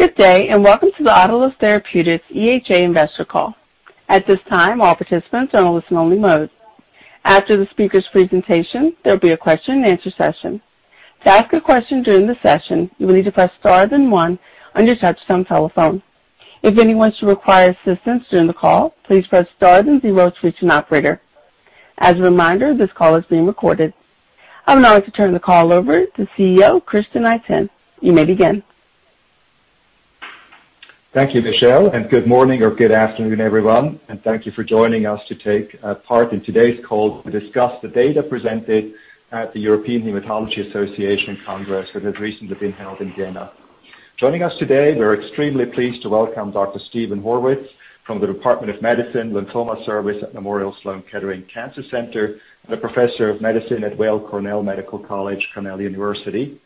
Good day, and welcome to the Autolus Therapeutics EHA Investor Call. At This time, all participants are in listen only mode. After the speaker's presentation, there'll be a question and answer session. To ask a question during the session, you will need to press Star then one on your touchtone telephone. If anyone should require assistance during the call, please press Star then zero to reach an operator. As a reminder, this call is being recorded. I would now like to turn the call over to CEO, Christian Itin. You may begin. Thank you, Michelle, and good morning or good afternoon, everyone, and thank you for joining us to take part in today's call to discuss the data presented at the European Hematology Association Congress that has recently been held in Vienna. Joining us today, we're extremely pleased to welcome Dr. Steven Horwitz from the Department of Medicine, Lymphoma Service at Memorial Sloan Kettering Cancer Center, and a professor of medicine at Weill Cornell Medicine, Cornell University.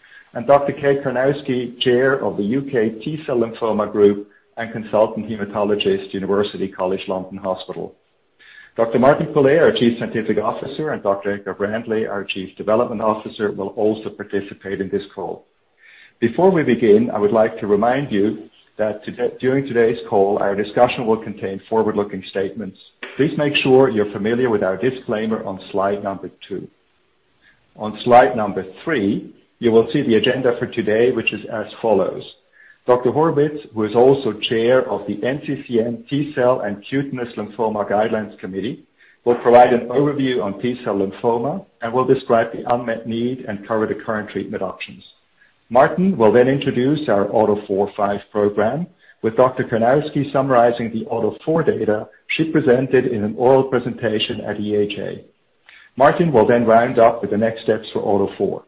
Dr. Kate Cwynarski, chair of the U.K. T-Cell Lymphoma Group and consultant hematologist, University College London Hospitals NHS Foundation Trust. Dr. Martin Pule, our chief scientific officer, and Dr. Edgar Braendle, our chief development officer, will also participate in this call. Before we begin, I would like to remind you that during today's call, our discussion will contain forward-looking statements. Please make sure you're familiar with our disclaimer on slide number two. On slide number 3, you will see the agenda for today, which is as follows. Dr. Horwitz, who is also chair of the NCCN T-cell and Cutaneous Lymphoma Guidelines Committee, will provide an overview on T-cell lymphoma and will describe the unmet need and cover the current treatment options. Martin will then introduce our AUTO4/5 program, with Dr. Cwynarski summarizing the AUTO4 data she presented in an oral presentation at EHA. Martin will then round up with the next steps for AUTO4.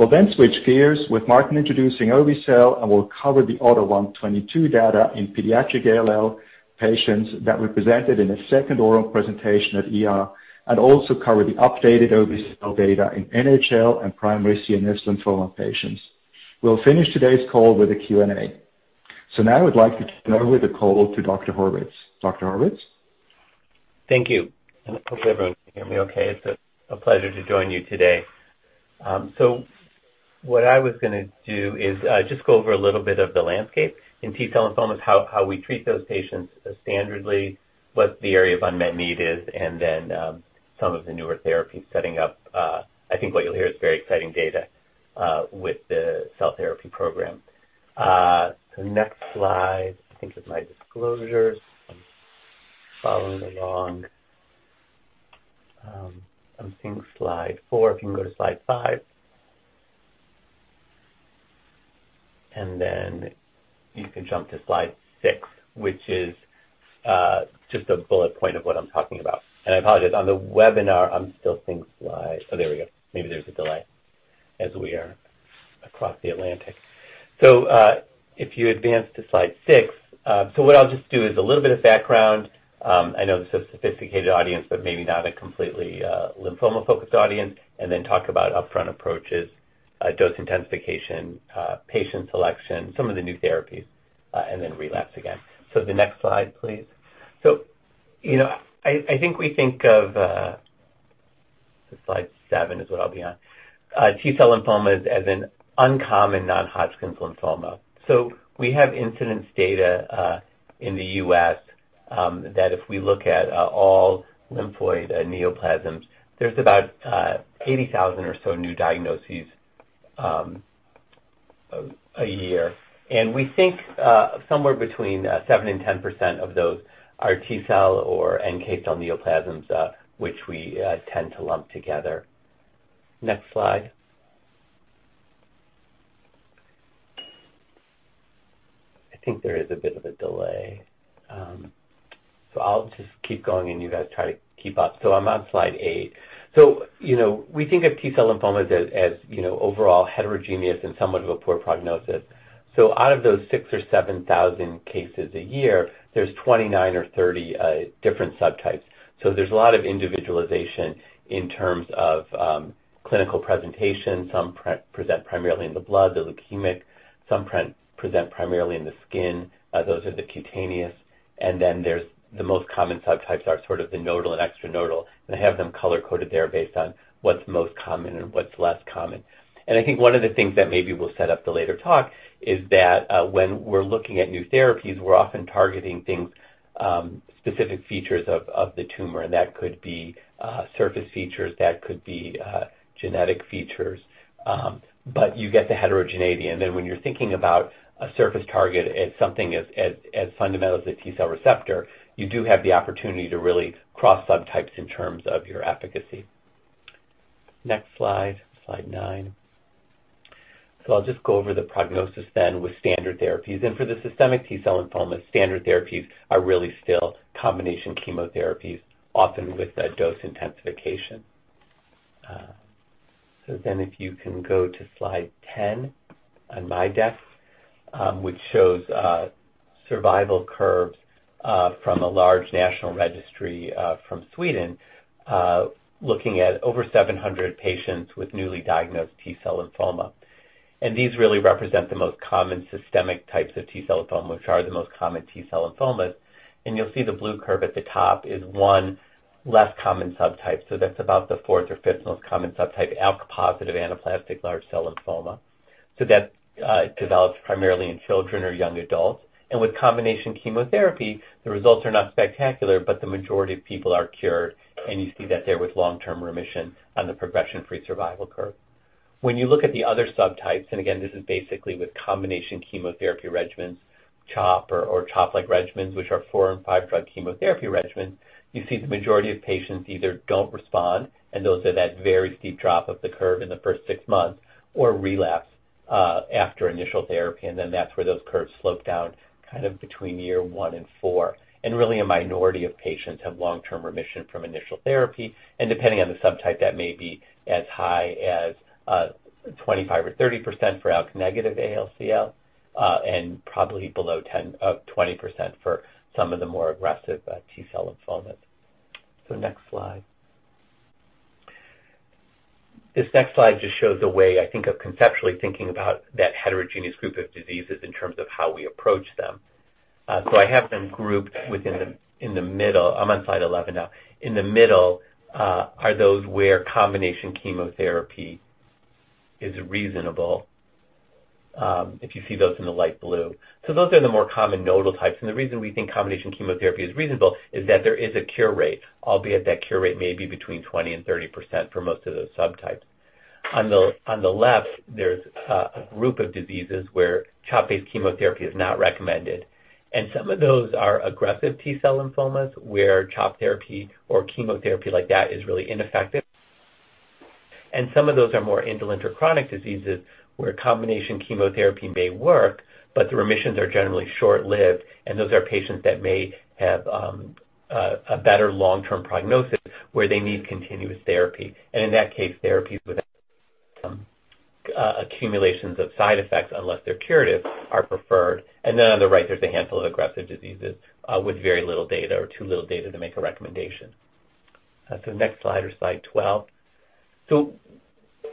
We'll then switch gears with Martin introducing obe-cel, and we'll cover the AUTO1/22 data in pediatric ALL patients that we presented in a second oral presentation at EHA, and also cover the updated obe-cel data in NHL and primary CNS lymphoma patients. We'll finish today's call with a Q&A. Now I would like to turn over the call to Dr. Horwitz. Horwitz. Thank you. I hope everyone can hear me okay. It's a pleasure to join you today. So what I was gonna do is just go over a little bit of the landscape in T-cell lymphomas, how we treat those patients standardly, what the area of unmet need is, and then some of the newer therapies setting up. I think what you'll hear is very exciting data with the cell therapy program. So next slide, I think, with my disclosures. I'm following along. I'm seeing slide four. If you can go to slide five. Then you can jump to slide six, which is just a bullet point of what I'm talking about. I apologize. On the webinar, I'm still seeing slide. Oh, there we go. Maybe there's a delay as we are across the Atlantic. If you advance to slide six. What I'll just do is a little bit of background. I know this is a sophisticated audience, but maybe not a completely lymphoma-focused audience. Then talk about upfront approaches, dose intensification, patient selection, some of the new therapies, and then relapse again. The next slide, please. You know, I think we think of T-cell lymphomas as an uncommon non-Hodgkin's lymphoma. Slide seven is what I'll be on. We have incidence data in the U.S. that if we look at all lymphoid neoplasms, there's about 80,000 or so new diagnoses a year. We think somewhere between 7%-10% of those are T-cell or NK-cell neoplasms, which we tend to lump together. Next slide. I think there is a bit of a delay. I'll just keep going and you guys try to keep up. I'm on slide eight. You know, we think of T-cell lymphomas as you know, overall heterogeneous and somewhat of a poor prognosis. Out of those 6 or 7 thousand cases a year, there's 29 or 30 different subtypes. There's a lot of individualization in terms of clinical presentation. Some present primarily in the blood, the leukemic. Some present primarily in the skin, those are the cutaneous. Then there's the most common subtypes are sort of the nodal and extranodal, and I have them color-coded there based on what's most common and what's less common. I think one of the things that maybe we'll set up the later talk is that, when we're looking at new therapies, we're often targeting things, specific features of the tumor. That could be surface features, that could be genetic features. You get the heterogeneity. When you're thinking about a surface target as something as fundamental as a T-cell receptor, you do have the opportunity to really cross subtypes in terms of your efficacy. Next slide nine. I'll just go over the prognosis then with standard therapies. For the systemic T-cell lymphomas, standard therapies are really still combination chemotherapies, often with a dose intensification. If you can go to slide 10 on my deck, which shows survival curves from a large national registry from Sweden, looking at over 700 patients with newly diagnosed T-cell lymphoma. These really represent the most common systemic types of T-cell lymphoma, which are the most common T-cell lymphomas. You'll see the blue curve at the top is one less common subtype. That's about the fourth or fifth most common subtype, ALK-positive anaplastic large cell lymphoma. That develops primarily in children or young adults. With combination chemotherapy, the results are not spectacular, but the majority of people are cured, and you see that there with long-term remission on the progression-free survival curve. When you look at the other subtypes, and again, this is basically with combination chemotherapy regimens, CHOP or CHOP-like regimens, which are four and five drug chemotherapy regimens. You see the majority of patients either don't respond, and that's the very steep drop of the curve in the first six months, or relapse after initial therapy, and then that's where those curves slope down kind of between year one and four. Really a minority of patients have long-term remission from initial therapy, and depending on the subtype, that may be as high as 25 or 30% for ALK-negative ALCL, and probably below 10-20% for some of the more aggressive T-cell lymphomas. Next slide. This next slide just shows a way I think of conceptually thinking about that heterogeneous group of diseases in terms of how we approach them. I have them grouped in the middle. I'm on slide 11 now. In the middle are those where combination chemotherapy is reasonable, if you see those in the light blue. Those are the more common nodal types, and the reason we think combination chemotherapy is reasonable is that there is a cure rate, albeit that cure rate may be between 20% and 30% for most of those subtypes. On the left, there's a group of diseases where CHOP-based chemotherapy is not recommended, and some of those are aggressive T-cell lymphomas where CHOP therapy or chemotherapy like that is really ineffective. Some of those are more indolent or chronic diseases where combination chemotherapy may work, but the remissions are generally short-lived, and those are patients that may have a better long-term prognosis where they need continuous therapy. In that case, therapies without accumulations of side effects, unless they're curative, are preferred. On the right, there's a handful of aggressive diseases, with very little data or too little data to make a recommendation. Next slide or slide 12.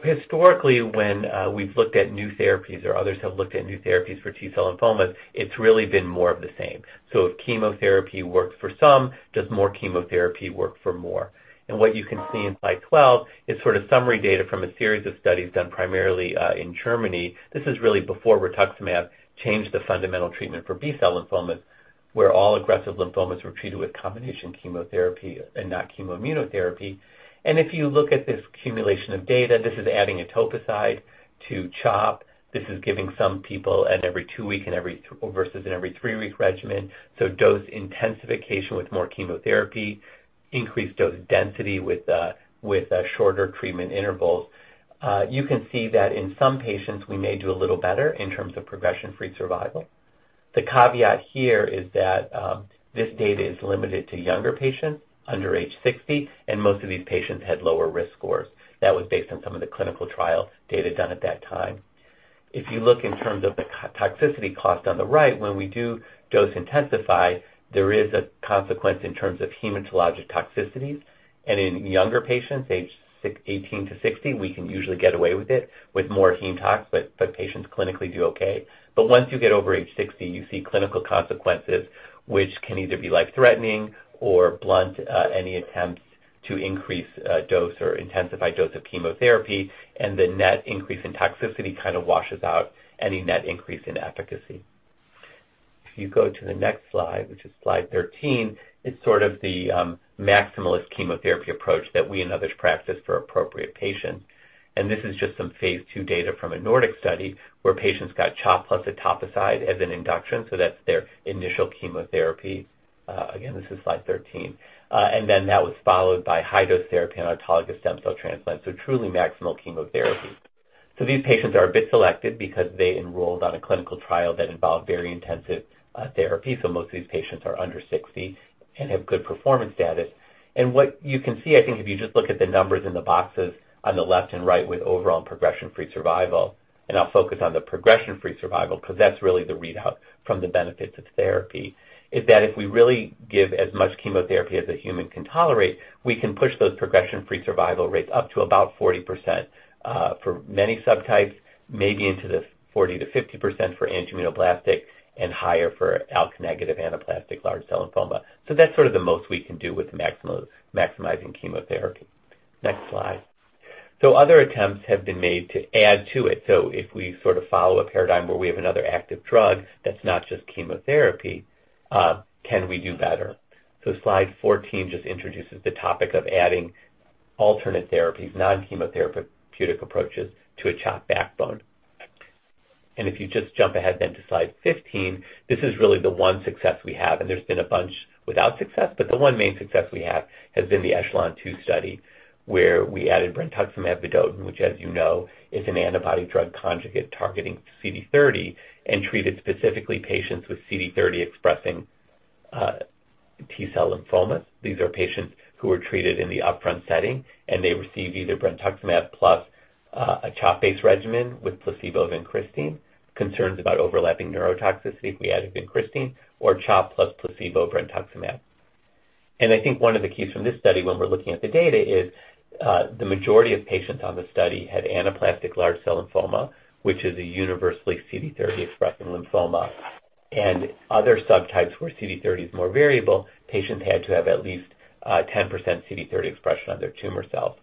Historically, when we've looked at new therapies or others have looked at new therapies for T-cell lymphomas, it's really been more of the same. If chemotherapy works for some, does more chemotherapy work for more? What you can see in slide 12 is sort of summary data from a series of studies done primarily in Germany. This is really before rituximab changed the fundamental treatment for B-cell lymphomas, where all aggressive lymphomas were treated with combination chemotherapy and not chemoimmunotherapy. If you look at this accumulation of data, this is adding etoposide to CHOP. This is giving some people an every two week versus an every three week regimen, so dose intensification with more chemotherapy, increased dose density with shorter treatment intervals. You can see that in some patients, we may do a little better in terms of progression-free survival. The caveat here is that this data is limited to younger patients under age 60, and most of these patients had lower risk scores. That was based on some of the clinical trial data done at that time. If you look in terms of the cytotoxicity cost on the right, when we do dose intensify, there is a consequence in terms of hematologic toxicities. In younger patients, aged 18-60, we can usually get away with it with more heme tox, but patients clinically do okay. Once you get over age 60, you see clinical consequences which can either be life-threatening or blunt any attempts to increase dose or intensify dose of chemotherapy, and the net increase in toxicity kind of washes out any net increase in efficacy. If you go to the next slide, which is slide 13, it's sort of the maximalist chemotherapy approach that we and others practice for appropriate patients. This is just some phase 2 data from a Nordic study where patients got CHOP plus etoposide as an induction, so that's their initial chemotherapy. Again, this is slide 13. And then that was followed by high-dose therapy and autologous stem cell transplant. Truly maximal chemotherapy. These patients are a bit selected because they enrolled on a clinical trial that involved very intensive therapy. Most of these patients are under 60 and have good performance status. What you can see, I think, if you just look at the numbers in the boxes on the left and right with overall progression-free survival, and I'll focus on the progression-free survival because that's really the readout from the benefits of therapy, is that if we really give as much chemotherapy as a human can tolerate, we can push those progression-free survival rates up to about 40%, for many subtypes, maybe into the 40%-50% for anaplastic and higher for ALK-negative anaplastic large cell lymphoma. That's sort of the most we can do with maximizing chemotherapy. Next slide. Other attempts have been made to add to it. If we sort of follow a paradigm where we have another active drug that's not just chemotherapy, can we do better? Slide 14 just introduces the topic of adding alternate therapies, non-chemotherapeutic approaches to a CHOP backbone. If you just jump ahead to slide 15, this is really the one success we have. There's been a bunch without success, but the one main success we have has been the ECHELON-2 study where we added brentuximab vedotin, which as you know is an antibody drug conjugate targeting CD30 and treated specifically patients with CD30 expressing T-cell lymphomas. These are patients who were treated in the upfront setting, and they received either brentuximab plus a CHOP-based regimen with placebo vincristine, concerns about overlapping neurotoxicity if we added vincristine or CHOP plus placebo brentuximab. I think one of the keys from this study when we're looking at the data is, the majority of patients on the study had anaplastic large cell lymphoma, which is a universally CD30 expressing lymphoma. Other subtypes where CD30 is more variable, patients had to have at least, 10% CD30 expression on their tumor cells.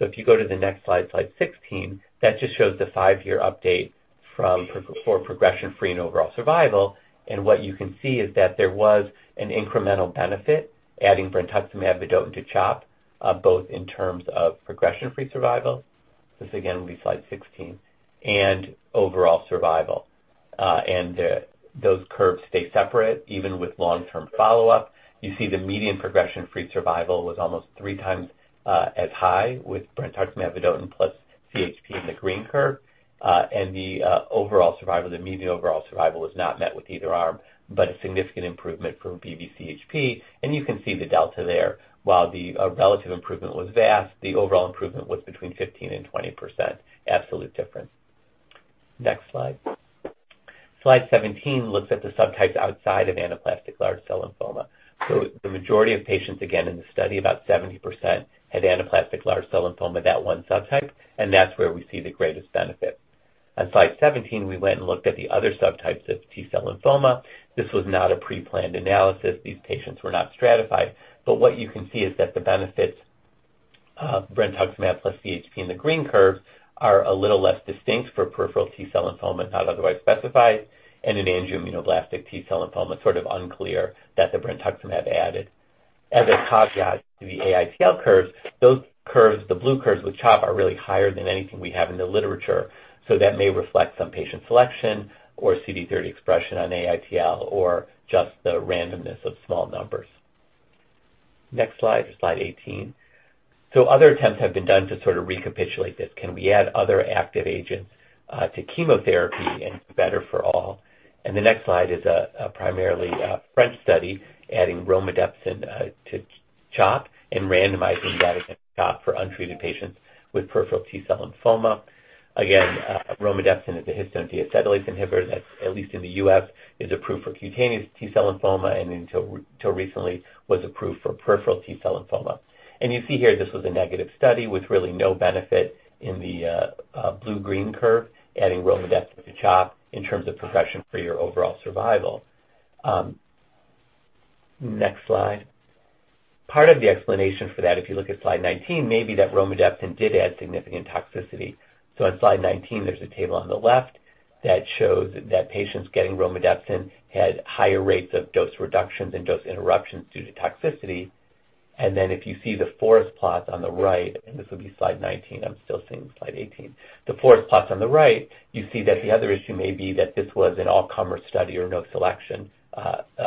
If you go to the next slide 16, that just shows the five-year update from, for progression-free and overall survival. What you can see is that there was an incremental benefit adding brentuximab vedotin to CHOP, both in terms of progression-free survival, this again will be slide 16, and overall survival. The, those curves stay separate even with long-term follow-up. You see the median progression-free survival was almost three times, as high with brentuximab vedotin plus CHP in the green curve. The overall survival, the median overall survival was not met with either arm, but a significant improvement from BV-CHP. You can see the delta there. While the relative improvement was vast, the overall improvement was between 15%-20% absolute difference. Next slide. Slide 17 looks at the subtypes outside of anaplastic large cell lymphoma. The majority of patients, again, in the study, about 70% had anaplastic large cell lymphoma, that one subtype, and that's where we see the greatest benefit. On Slide 17, we went and looked at the other subtypes of T-cell lymphoma. This was not a pre-planned analysis. These patients were not stratified. What you can see is that the benefits of brentuximab plus CHP in the green curves are a little less distinct for peripheral T-cell lymphoma not otherwise specified, and in angioimmunoblastic T-cell lymphoma, sort of unclear that the brentuximab added. As a caveat to the AITL curves, those curves, the blue curves with CHOP, are really higher than anything we have in the literature, so that may reflect some patient selection or CD30 expression on AITL or just the randomness of small numbers. Next slide is slide 18. Other attempts have been done to sort of recapitulate this. Can we add other active agents to chemotherapy and better for all? The next slide is a primarily French study adding romidepsin to CHOP and randomizing that against CHOP for untreated patients with peripheral T-cell lymphoma. Again, Romidepsin is a histone deacetylase inhibitor that, at least in the U.S., is approved for cutaneous T-cell lymphoma and until recently was approved for peripheral T-cell lymphoma. You see here this was a negative study with really no benefit in the blue-green curve adding Romidepsin to CHOP in terms of progression-free or overall survival. Next slide. Part of the explanation for that, if you look at slide 19, may be that Romidepsin did add significant toxicity. On slide 19, there's a table on the left that shows that patients getting Romidepsin had higher rates of dose reductions and dose interruptions due to toxicity. Then if you see the forest plot on the right, and this would be slide 19, I'm still seeing slide 18. The forest plot on the right, you see that the other issue may be that this was an all-comer study or no selection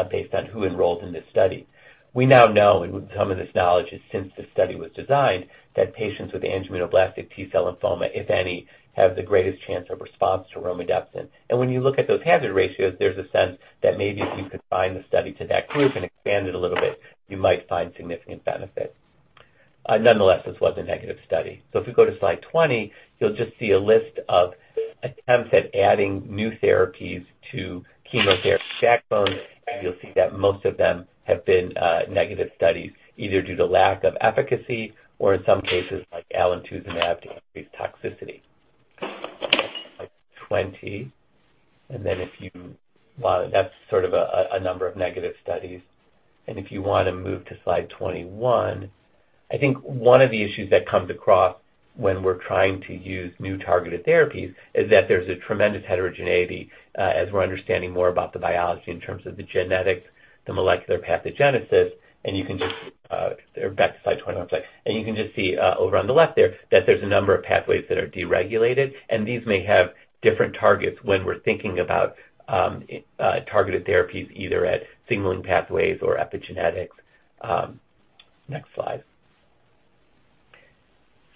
based on who enrolled in this study. We now know, and some of this knowledge is since the study was designed, that patients with angioimmunoblastic T-cell lymphoma, if any, have the greatest chance of response to Romidepsin. When you look at those hazard ratios, there's a sense that maybe if you confine the study to that group and expand it a little bit, you might find significant benefit. Nonetheless, this was a negative study. If we go to slide 20, you'll just see a list of attempts at adding new therapies to chemotherapy backbones, and you'll see that most of them have been negative studies either due to lack of efficacy or in some cases like Alemtuzumab increased toxicity. Slide 20. If you want, that's sort of a number of negative studies. If you want to move to slide 21, I think one of the issues that comes across when we're trying to use new targeted therapies is that there's a tremendous heterogeneity as we're understanding more about the biology in terms of the genetics, the molecular pathogenesis. You can just see over on the left there that there's a number of pathways that are deregulated, and these may have different targets when we're thinking about targeted therapies either at signaling pathways or epigenetics. Next slide.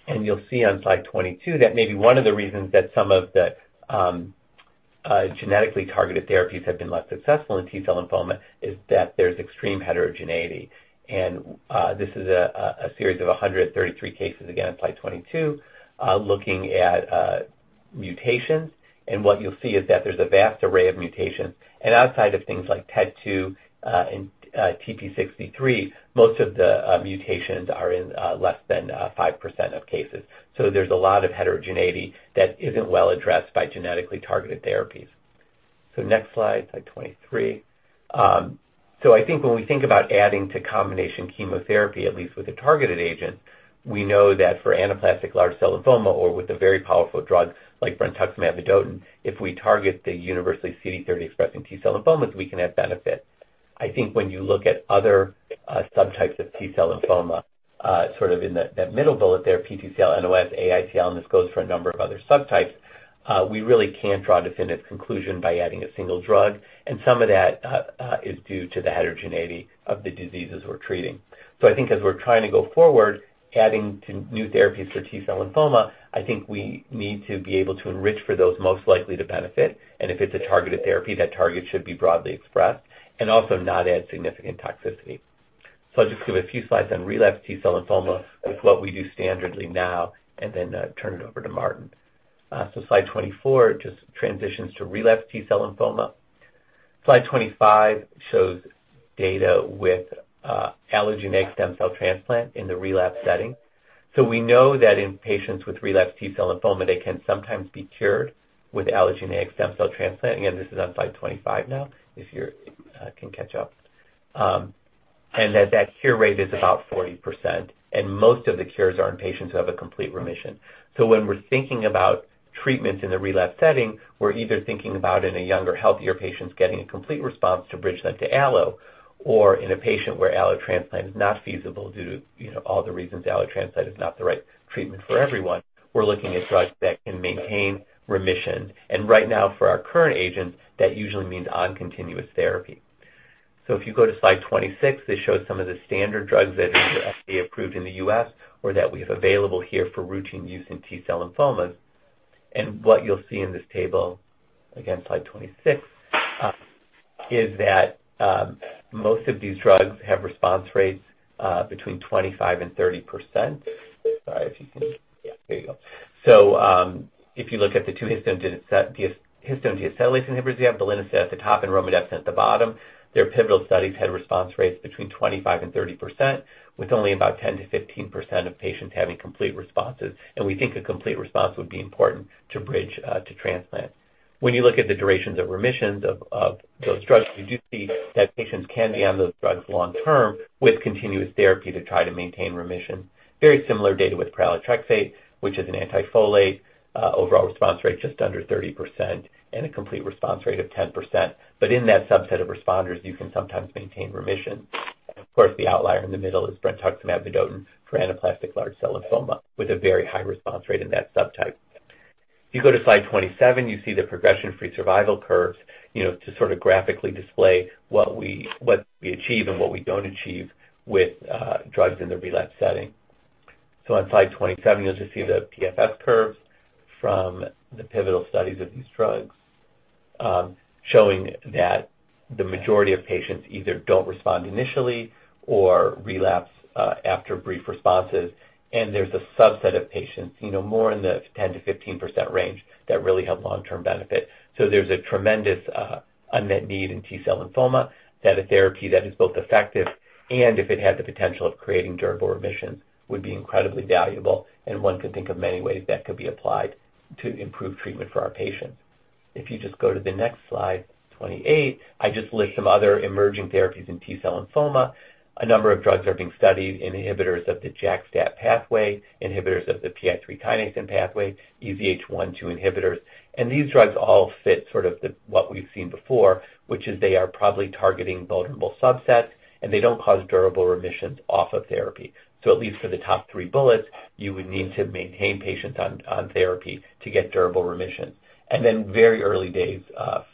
You'll see on slide 22 that maybe one of the reasons that some of the genetically targeted therapies have been less successful in T-cell lymphoma is that there's extreme heterogeneity. This is a series of 133 cases, again on slide 22, looking at mutations. What you'll see is that there's a vast array of mutations. Outside of things like TET2 and TP53 most of the mutations are in less than 5% of cases. There's a lot of heterogeneity that isn't well addressed by genetically targeted therapies. Next slide 23. I think when we think about adding to combination chemotherapy, at least with a targeted agent, we know that for anaplastic large cell lymphoma or with a very powerful drug like brentuximab vedotin, if we target the universally CD30-expressing T-cell lymphomas, we can add benefit. I think when you look at other subtypes of T-cell lymphoma, sort of in the, that middle bullet there, PTCL, NOS, AITL, and this goes for a number of other subtypes, we really can't draw a definitive conclusion by adding a single drug, and some of that is due to the heterogeneity of the diseases we're treating. I think as we're trying to go forward adding to new therapies for T-cell lymphoma, I think we need to be able to enrich for those most likely to benefit. If it's a targeted therapy, that target should be broadly expressed and also not add significant toxicity. I'll just give a few slides on relapse T-cell lymphoma with what we do standardly now and then turn it over to Martin. Slide 24 just transitions to relapse T-cell lymphoma. Slide 25 shows data with allogeneic stem cell transplant in the relapse setting. We know that in patients with relapse T-cell lymphoma, they can sometimes be cured with allogeneic stem cell transplant. Again, this is on slide 25 now, if you can catch up. That cure rate is about 40%, and most of the cures are in patients who have a complete remission. When we're thinking about treatments in the relapsed setting, we're either thinking about in a younger, healthier patients getting a complete response to bridge them to allo, or in a patient where allo transplant is not feasible due to, you know, all the reasons allo transplant is not the right treatment for everyone. We're looking at drugs that can maintain remission. Right now, for our current agents, that usually means on continuous therapy. If you go to slide 26, this shows some of the standard drugs that are FDA approved in the U.S. or that we have available here for routine use in T-cell lymphomas. What you'll see in this table, again, slide 26, is that most of these drugs have response rates between 25%-30%. If you look at the two histone deacetylase inhibitors, you have belinostat at the top and romidepsin at the bottom. Their pivotal studies had response rates between 25%-30%, with only about 10%-15% of patients having complete responses. We think a complete response would be important to bridge to transplant. When you look at the durations of remissions of those drugs, you do see that patients can be on those drugs long term with continuous therapy to try to maintain remission. Very similar data with pralatrexate, which is an antifolate. Overall response rate just under 30% and a complete response rate of 10%. In that subset of responders, you can sometimes maintain remission. Of course, the outlier in the middle is brentuximab vedotin for anaplastic large cell lymphoma, with a very high response rate in that subtype. If you go to slide 27, you see the progression-free survival curves, you know, to sort of graphically display what we, what we achieve and what we don't achieve with drugs in the relapsed setting. On slide 27, you'll just see the PFS curves from the pivotal studies of these drugs, showing that the majority of patients either don't respond initially or relapse after brief responses. There's a subset of patients, you know, more in the 10%-15% range that really have long-term benefit. There's a tremendous unmet need in T-cell lymphoma that a therapy that is both effective and if it had the potential of creating durable remissions, would be incredibly valuable. One could think of many ways that could be applied to improve treatment for our patients. If you just go to the next slide, 28, I just list some other emerging therapies in T-cell lymphoma. A number of drugs are being studied, inhibitors of the JAK-STAT pathway, inhibitors of the PI3K pathway, EZH1/2 inhibitors. These drugs all fit sort of the what we've seen before, which is they are probably targeting vulnerable subsets, and they don't cause durable remissions off of therapy. At least for the top three bullets, you would need to maintain patients on therapy to get durable remission. Very early days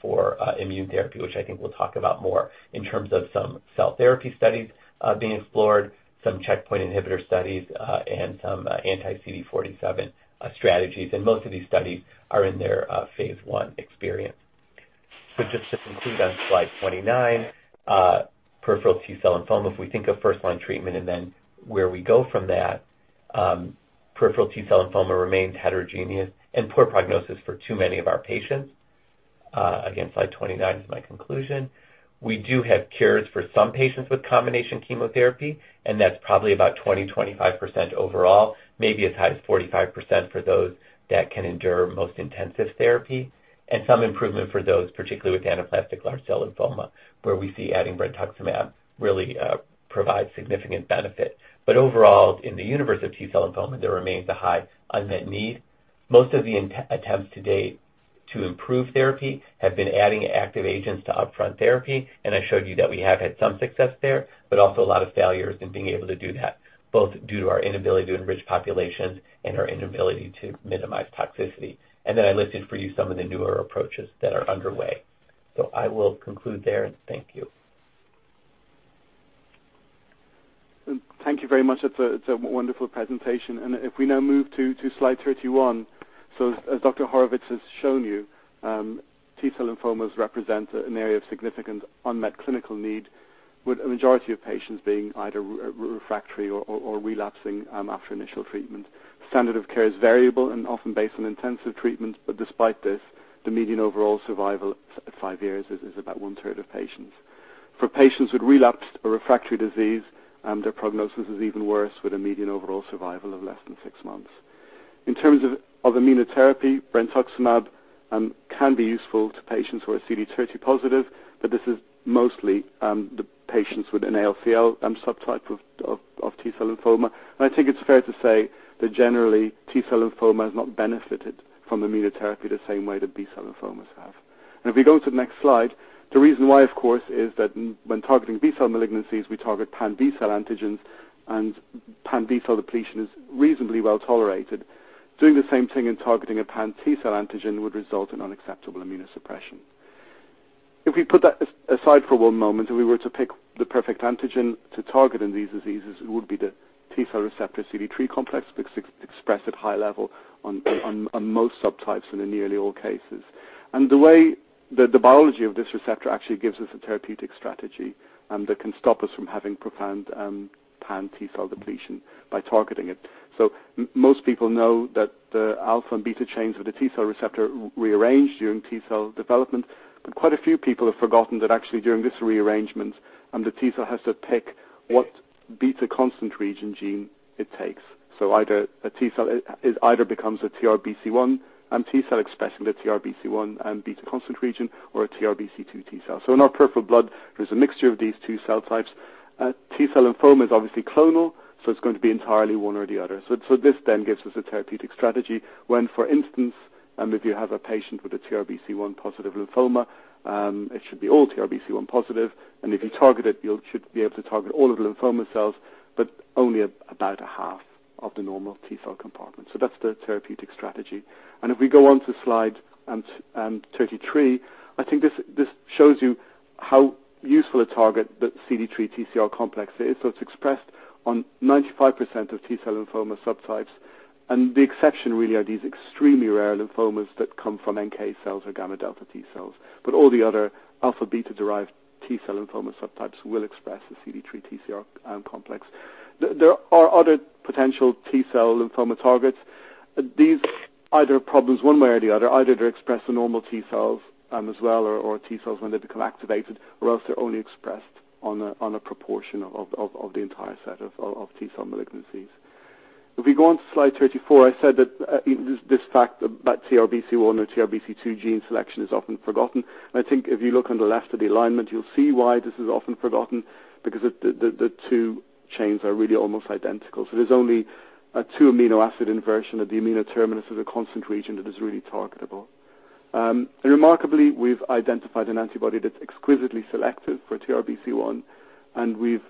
for immune therapy, which I think we'll talk about more in terms of some cell therapy studies being explored, some checkpoint inhibitor studies, and some anti-CD47 strategies. Most of these studies are in their phase 1 experience. Just to conclude on slide 29, peripheral T-cell lymphoma, if we think of first-line treatment and then where we go from that, peripheral T-cell lymphoma remains heterogeneous and poor prognosis for too many of our patients. Again, slide 29 is my conclusion. We do have cures for some patients with combination chemotherapy, and that's probably about 20-25% overall, maybe as high as 45% for those that can endure most intensive therapy. Some improvement for those, particularly with anaplastic large cell lymphoma, where we see adding brentuximab really provides significant benefit. Overall, in the universe of T-cell lymphoma, there remains a high unmet need. Most of the attempts to date to improve therapy have been adding active agents to upfront therapy. I showed you that we have had some success there, but also a lot of failures in being able to do that, both due to our inability to enrich populations and our inability to minimize toxicity. Then I listed for you some of the newer approaches that are underway. I will conclude there, and thank you. Thank you very much. It's a wonderful presentation. If we now move to slide 31. As Dr. Horwitz has shown you, T-cell lymphomas represent an area of significant unmet clinical need with a majority of patients being either refractory or relapsing after initial treatment. Standard of care is variable and often based on intensive treatments, but despite this, the median overall survival at 5 years is about one-third of patients. For patients with relapsed or refractory disease, their prognosis is even worse with a median overall survival of less than 6 months. In terms of immunotherapy, brentuximab can be useful to patients who are CD30-positive, but this is mostly the patients with an ALCL subtype of T-cell lymphoma. I think it's fair to say that generally, T-cell lymphoma has not benefited from immunotherapy the same way the B-cell lymphomas have. If we go to the next slide, the reason why, of course, is that when targeting B-cell malignancies, we target pan-B-cell antigens and pan-B-cell depletion is reasonably well-tolerated. Doing the same thing in targeting a pan-T-cell antigen would result in unacceptable immunosuppression. If we put that aside for one moment, and we were to pick the perfect antigen to target in these diseases, it would be the T-cell receptor CD3 complex expressed at high level on most subtypes and in nearly all cases. The way the biology of this receptor actually gives us a therapeutic strategy that can stop us from having profound pan-T-cell depletion by targeting it. Most people know that the alpha and beta chains of the T-cell receptor rearrange during T-cell development, but quite a few people have forgotten that actually during this rearrangement, the T-cell has to pick what beta constant region gene it takes. Either a T-cell becomes a TRBC1 T-cell expressing the TRBC1 beta constant region or a TRBC2 T-cell. In our peripheral blood, there's a mixture of these two cell types. T-cell lymphoma is obviously clonal, so it's going to be entirely one or the other. This then gives us a therapeutic strategy when, for instance, if you have a patient with a TRBC1-positive lymphoma, it should be all TRBC1 positive, and if you target it, you should be able to target all of the lymphoma cells but only about a half of the normal T-cell compartment. That's the therapeutic strategy. If we go on to slide 33, I think this shows you how useful a target the CD3 TCR complex is. It's expressed on 95% of T-cell lymphoma subtypes, and the exception really are these extremely rare lymphomas that come from NK cells or gamma delta T-cells. All the other alpha/beta-derived T-cell lymphoma subtypes will express the CD3 TCR complex. There are other potential T-cell lymphoma targets. These either have problems one way or the other. Either they express the normal T-cells as well or T-cells when they become activated, or else they're only expressed on a proportion of the entire set of T-cell malignancies. If we go onto slide 34, I said that this fact about TRBC1 or TRBC2 gene selection is often forgotten. I think if you look on the left of the alignment, you'll see why this is often forgotten because the two chains are really almost identical. There's only a 2 amino acid inversion of the amino terminus of the constant region that is really targetable. Remarkably, we've identified an antibody that's exquisitely selective for TRBC1, and we've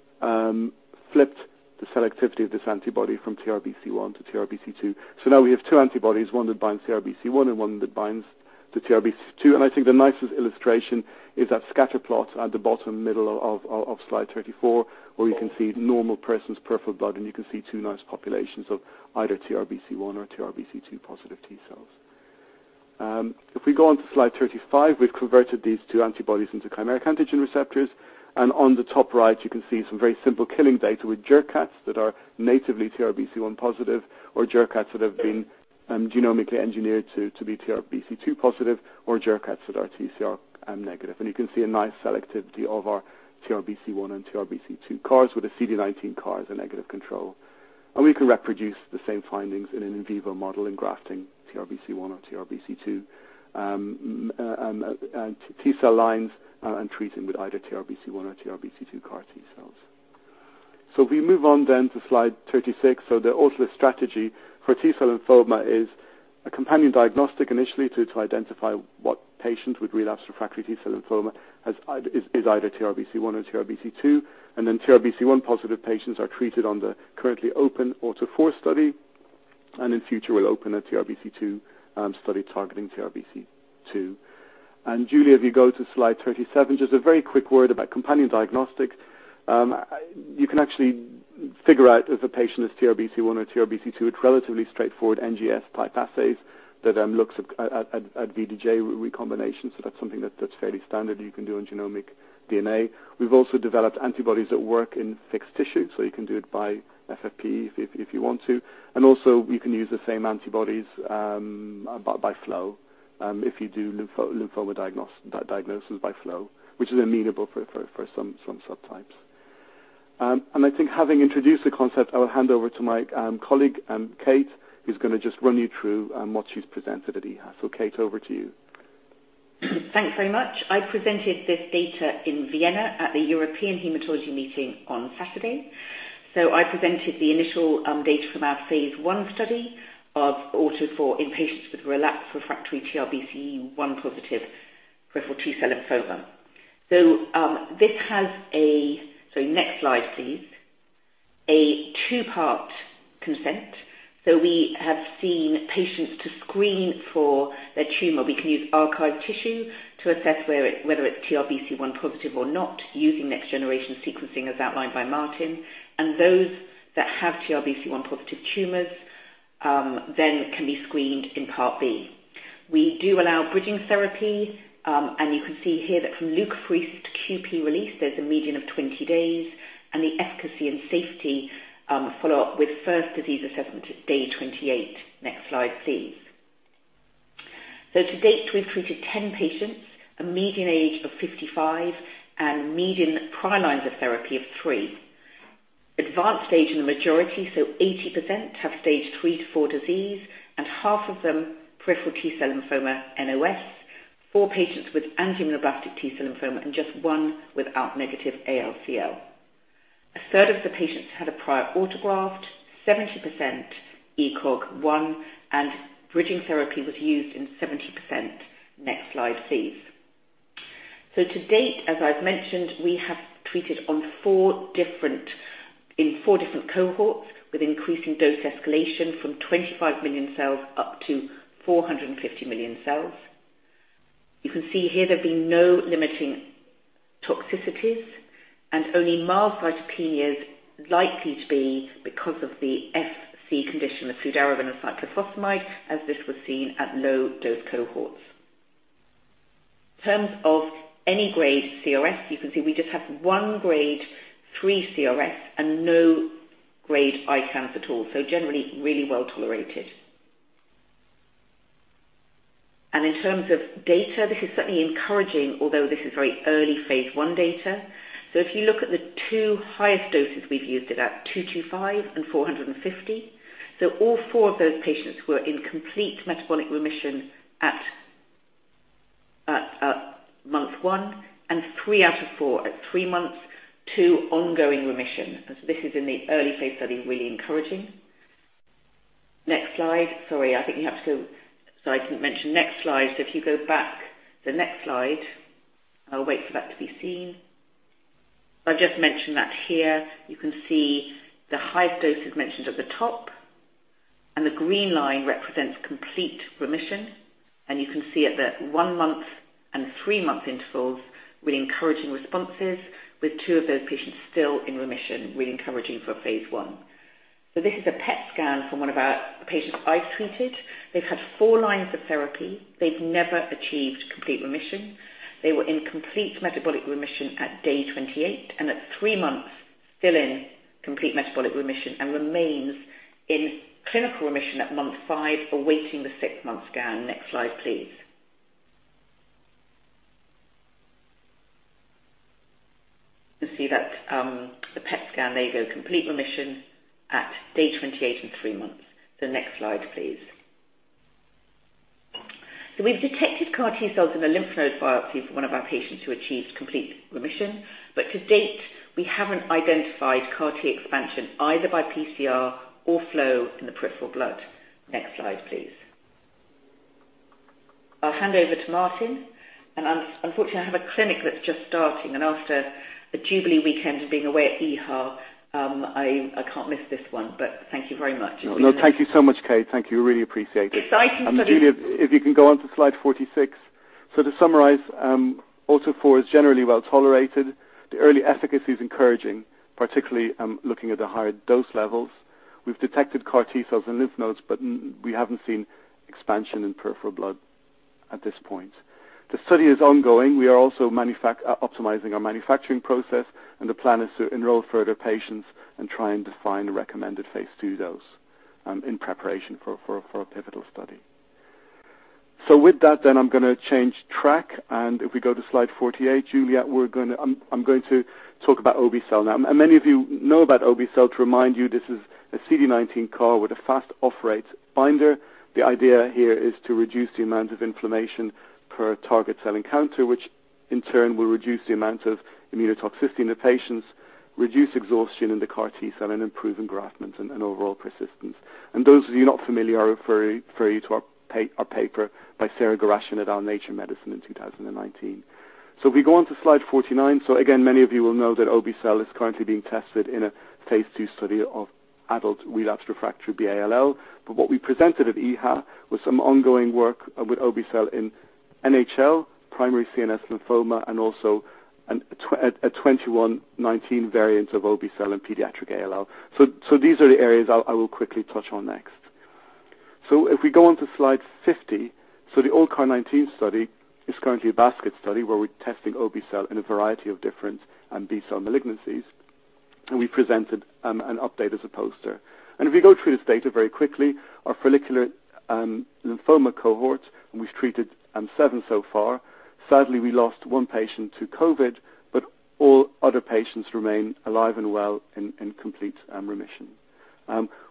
flipped the selectivity of this antibody from TRBC1 to TRBC2. Now we have two antibodies, one that binds TRBC1 and one that binds the TRBC2. I think the nicest illustration is that scatter plot at the bottom middle of slide 34, where you can see the normal person's peripheral blood, and you can see two nice populations of either TRBC1 or TRBC2-positive T-cells. If we go onto slide 35, we've converted these two antibodies into chimeric antigen receptors. On the top right, you can see some very simple killing data with Jurkat that are natively TRBC1 positive or Jurkat that have been genomically engineered to be TRBC2 positive or Jurkat that are TCR negative. You can see a nice selectivity of our TRBC1 and TRBC2 CARs with the CD19 CAR as a negative control. We can reproduce the same findings in an in vivo model in grafting TRBC1 or TRBC2 T-cell lines and treating with either TRBC1 or TRBC2 CAR T-cells. If we move on then to slide 36. The Autolus strategy for T-cell lymphoma is a companion diagnostic initially to identify what patient with relapse refractory T-cell lymphoma has either TRBC1 or TRBC2, and then TRBC1-positive patients are treated on the currently open AUTO4 study, and in future, we'll open a TRBC2 study targeting TRBC2. Julia, if you go to slide 37, just a very quick word about companion diagnostics. You can actually figure out if a patient is TRBC1 or TRBC2 with relatively straightforward NGS-type assays that looks at VDJ recombination. That's something that's fairly standard you can do in genomic DNA. We've also developed antibodies that work in fixed tissue. You can do it by FFPE if you want to. We can use the same antibodies by flow if you do lymphoma diagnosis by flow, which is amenable for some subtypes. I think having introduced the concept, I will hand over to my colleague Kate Cwynarski, who's gonna just run you through what she's presented at EHA. Kate Cwynarski, over to you. Thanks very much. I presented this data in Vienna at the European Hematology meeting on Saturday. I presented the initial data from our phase 1 study of AUTO4 in patients with relapsed refractory TRBC1-positive peripheral T-cell lymphoma. Next slide, please. A two-part consent. We have seen patients to screen for their tumor. We can use archived tissue to assess whether it's TRBC1 positive or not, using next-generation sequencing as outlined by Martin. Those that have TRBC1-positive tumors then can be screened in part B. We do allow bridging therapy, and you can see here that from leukapheresis to QP release, there's a median of 20 days, and the efficacy and safety follow-up with first disease assessment at day 28. Next slide, please. To date, we've treated 10 patients, a median age of 55 and median prior lines of therapy of 3. Advanced stage in the majority, so 80% have stage 3-4 disease, and half of them peripheral T-cell lymphoma NOS. 4 patients with angioimmunoblastic T-cell lymphoma and just 1 with ALK-negative ALCL. A third of the patients had a prior autograft, 70% ECOG 1, and bridging therapy was used in 70%. Next slide, please. To date, as I've mentioned, we have treated in 4 different cohorts with increasing dose escalation from 25 million cells up to 450 million cells. You can see here there've been no limiting toxicities and only mild cytopenias likely to be because of the FC condition, the fludarabine and cyclophosphamide, as this was seen at low dose cohorts. In terms of any grade CRS, you can see we just have one grade 3 CRS and no grade ICANS at all. Generally, really well-tolerated. In terms of data, this is certainly encouraging, although this is very early phase 1 data. If you look at the two highest doses, we've used it at 225 and 450. All four of those patients were in complete metabolic remission at month 1, and 3 out of 4 at 3 months to ongoing remission. This is in the early phase study, really encouraging. Next slide. Sorry, I think we have to. Sorry, I didn't mention next slide. If you go back to the next slide. I'll wait for that to be seen. I'll just mention that here you can see the highest dose is mentioned at the top, and the green line represents complete remission. You can see at the 1-month and 3-month intervals, really encouraging responses, with 2 of those patients still in remission, really encouraging for phase 1. This is a PET scan from one of our patients I've treated. They've had 4 lines of therapy. They've never achieved complete remission. They were in complete metabolic remission at day 28, and at 3 months, still in complete metabolic remission and remains in clinical remission at month 5, awaiting the 6-month scan. Next slide, please. You see that, the PET scan, there you go, complete remission at day 28 and 3 months. The next slide, please. We've detected CAR T-cells in a lymph node biopsy for one of our patients who achieved complete remission. To date, we haven't identified CAR T expansion either by PCR or flow in the peripheral blood. Next slide, please. I'll hand over to Martin Pule, and unfortunately, I have a clinic that's just starting, and after the Jubilee weekend of being away at EHA, I can't miss this one. Thank you very much. No, thank you so much, Kate. Thank you. Really appreciate it. Exciting study. Julia, if you can go on to slide 46. To summarize, AUTO4 is generally well-tolerated. The early efficacy is encouraging, particularly looking at the higher dose levels. We've detected CAR T cells in lymph nodes, but we haven't seen expansion in peripheral blood at this point. The study is ongoing. We are also optimizing our manufacturing process, and the plan is to enroll further patients and try and define the recommended phase 2 dose in preparation for a pivotal study. With that then I'm gonna change track, and if we go to slide 48, Juliet, I'm going to talk about obe-cel now. And many of you know about obe-cel. To remind you, this is a CD19 CAR with a fast off-rate binder. The idea here is to reduce the amount of inflammation per target cell encounter, which in turn will reduce the amount of immunotoxicity in the patients, reduce exhaustion in the CAR T-cell, and improve engraftment and overall persistence. Those of you not familiar, I refer you to our paper by Sarah Ghorashian in Nature Medicine in 2019. If we go on to slide 49, again, many of you will know that obe-cel is currently being tested in a phase 2 study of adult relapsed refractory B-ALL. What we presented at EHA was some ongoing work with obe-cel in NHL, primary CNS lymphoma, and also a 21/19 variant of obe-cel in pediatric ALL. These are the areas I will quickly touch on next. If we go onto slide 50, the ALLCAR19 study is currently a basket study where we're testing obe-cel in a variety of different B-cell malignancies, and we presented an update as a poster. If we go through this data very quickly, our follicular lymphoma cohort, and we've treated 7 so far. Sadly, we lost 1 patient to COVID, but all other patients remain alive and well in complete remission.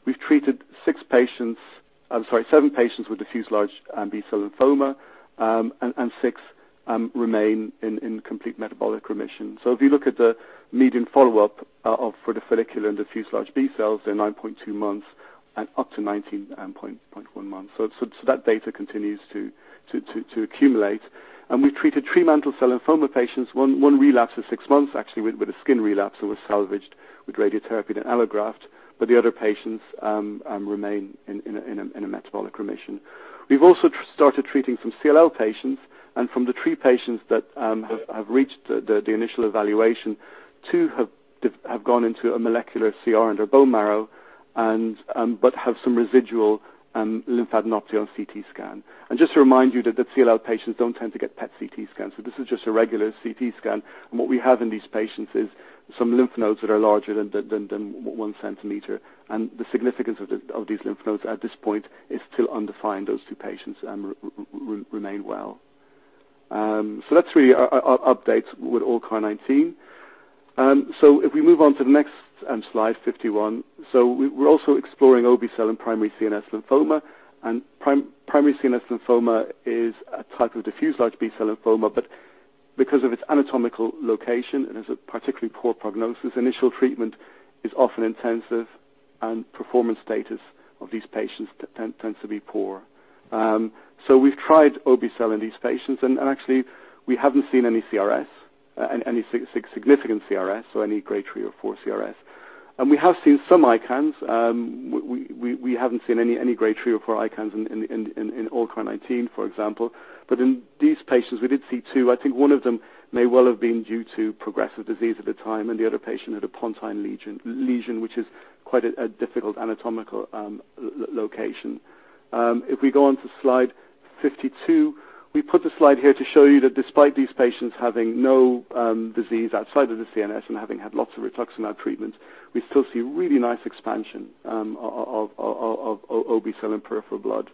We've treated 7 patients with diffuse large B-cell lymphoma, and 6 remain in complete metabolic remission. If you look at the median follow-up of the follicular and diffuse large B cells, they're 9.2 months and up to 19.1 months. That data continues to accumulate. We've treated three mantle cell lymphoma patients. One relapsed at six months actually with a skin relapse that was salvaged with radiotherapy and allograft, but the other patients remain in a metabolic remission. We've also started treating some CLL patients, and from the three patients that have reached the initial evaluation, two have gone into a molecular CR under bone marrow, but have some residual lymphadenopathy on CT scan. Just to remind you that the CLL patients don't tend to get PET CT scans, so this is just a regular CT scan. What we have in these patients is some lymph nodes that are larger than the one centimeter. The significance of these lymph nodes at this point is still undefined. Those two patients remain well. That's really our update with ALLCAR19. If we move on to the next slide 51. We're also exploring obe-cel in primary CNS lymphoma. Primary CNS lymphoma is a type of diffuse large B-cell lymphoma, but because of its anatomical location, it has a particularly poor prognosis. Initial treatment is often intensive, and performance status of these patients tends to be poor. We've tried obe-cel in these patients, and actually we haven't seen any CRS, any significant CRS, so any grade 3 or 4 CRS. We have seen some ICANS. We haven't seen any grade 3 or 4 ICANS in ALLCAR19, for example. In these patients, we did see two. I think one of them may well have been due to progressive disease at the time, and the other patient had a pontine lesion, which is quite a difficult anatomical location. If we go on to slide 52, we put the slide here to show you that despite these patients having no disease outside of the CNS and having had lots of rituximab treatment, we still see really nice expansion of obe-cel in peripheral blood.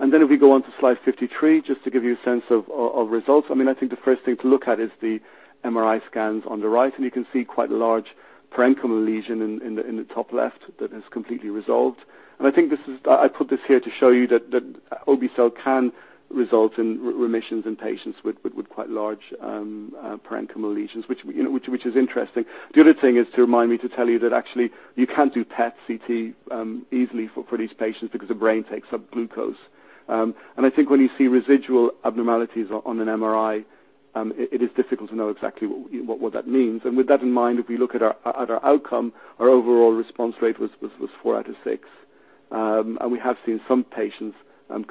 If we go on to slide 53, just to give you a sense of results, I mean, I think the first thing to look at is the MRI scans on the right. You can see quite a large parenchymal lesion in the top left that has completely resolved. I think this is. I put this here to show you that obe-cel can result in remissions in patients with quite large parenchymal lesions, which, you know, is interesting. The other thing is to remind me to tell you that actually you can't do PET CT easily for these patients because the brain takes up glucose. I think when you see residual abnormalities on an MRI, it is difficult to know exactly what that means. With that in mind, if we look at our outcome, our overall response rate was 4 out of 6. We have seen some patients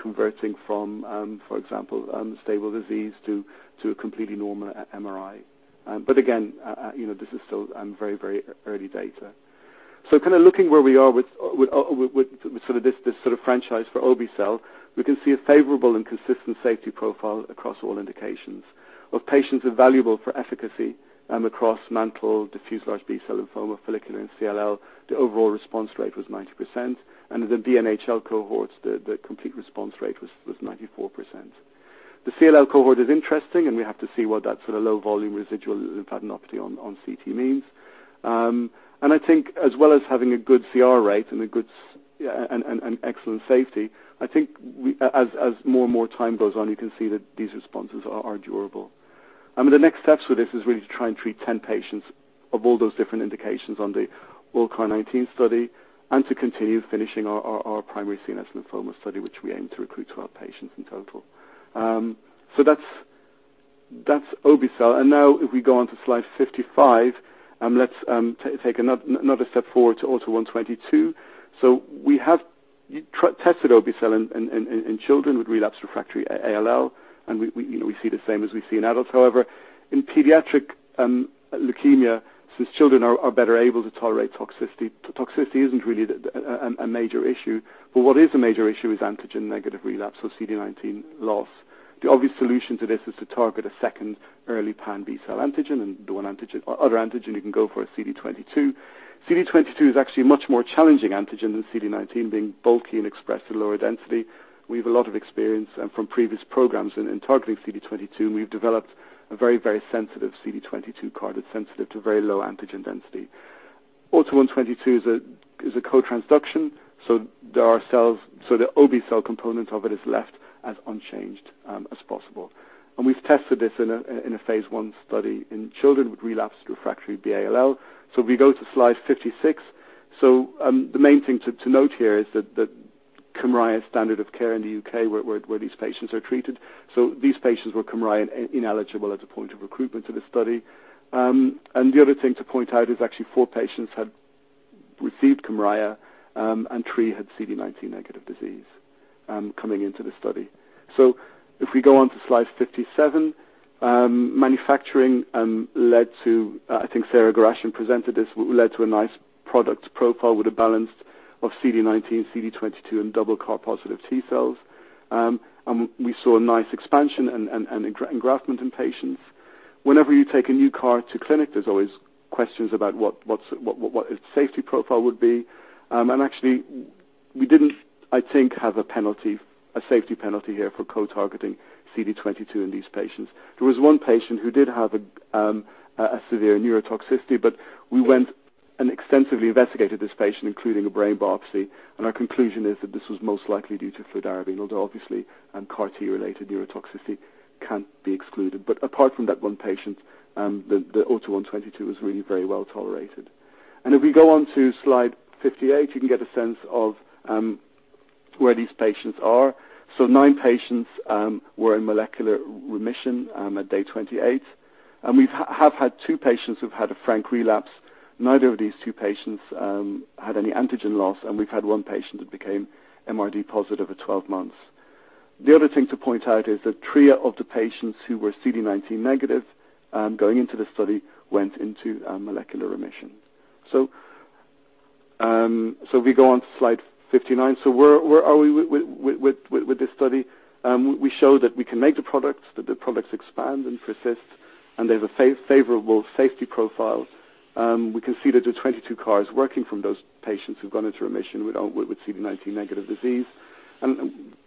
converting from, for example, stable disease to a completely normal MRI. Again, you know, this is still very early data. Kinda looking where we are with sort of this sort of franchise for obe-cel, we can see a favorable and consistent safety profile across all indications. While patients are valuable for efficacy across mantle, diffuse large B-cell lymphoma, follicular and CLL, the overall response rate was 90%, and the BNHL cohorts, the complete response rate was 94%. The CLL cohort is interesting, and we have to see what that sort of low volume residual lymphadenopathy on CT means. I think as well as having a good CR rate and a good and excellent safety, I think as more and more time goes on, you can see that these responses are durable. I mean, the next steps for this is really to try and treat 10 patients of all those different indications on the ALLCAR19 study and to continue finishing our primary CNS lymphoma study, which we aim to recruit to 10 patients in total. That's obe-cel. Now if we go on to slide 55, let's take another step forward to AUTO1/22. We have tested obe-cel in children with relapsed refractory B-ALL, and we, you know, we see the same as we see in adults. However, in pediatric leukemia, since children are better able to tolerate toxicity isn't really a major issue. But what is a major issue is antigen-negative relapse, so CD19 loss. The obvious solution to this is to target a second early pan B-cell antigen, and the one antigen or other antigen you can go for is CD22. CD22 is actually a much more challenging antigen than CD19, being bulky and expressed at lower density. We have a lot of experience from previous programs in targeting CD22, and we've developed a very, very sensitive CD22 CAR that's sensitive to very low antigen density. AUTO1/22 is a co-transduction, so there are cells, so the obe-cel component of it is left as unchanged as possible. We've tested this in a phase 1 study in children with relapsed refractory B-ALL. If we go to slide 56. The main thing to note here is that Kymriah's standard of care in the U.K. where these patients are treated. These patients were Kymriah ineligible at the point of recruitment to the study. The other thing to point out is actually 4 patients had received Kymriah, and 3 had CD19 negative disease, coming into the study. If we go on to slide 57, manufacturing led to, I think Sarah Ghorashian presented this, a nice product profile with a balance of CD19, CD22, and double CAR positive T-cells. We saw a nice expansion and engraftment in patients. Whenever you take a new CAR to clinic, there's always questions about what its safety profile would be. Actually we didn't, I think, have a penalty, a safety penalty here for co-targeting CD22 in these patients. There was one patient who did have a severe neurotoxicity, but we went and extensively investigated this patient, including a brain biopsy, and our conclusion is that this was most likely due to Fludarabine, although obviously, CAR-T related neurotoxicity can't be excluded. Apart from that one patient, the AUTO1/22 was really very well tolerated. If we go on to slide 58, you can get a sense of where these patients are. Nine patients were in molecular remission at day 28. We've had two patients who've had a frank relapse. Neither of these two patients had any antigen loss, and we've had one patient that became MRD positive at 12 months. The other thing to point out is that three of the patients who were CD19 negative going into the study went into molecular remission. We go on to slide 59. Where are we with this study? We show that we can make the products, that the products expand and persist, and there's a favorable safety profile. We can see that the 22 CARs working from those patients who've gone into remission with CD19 negative disease.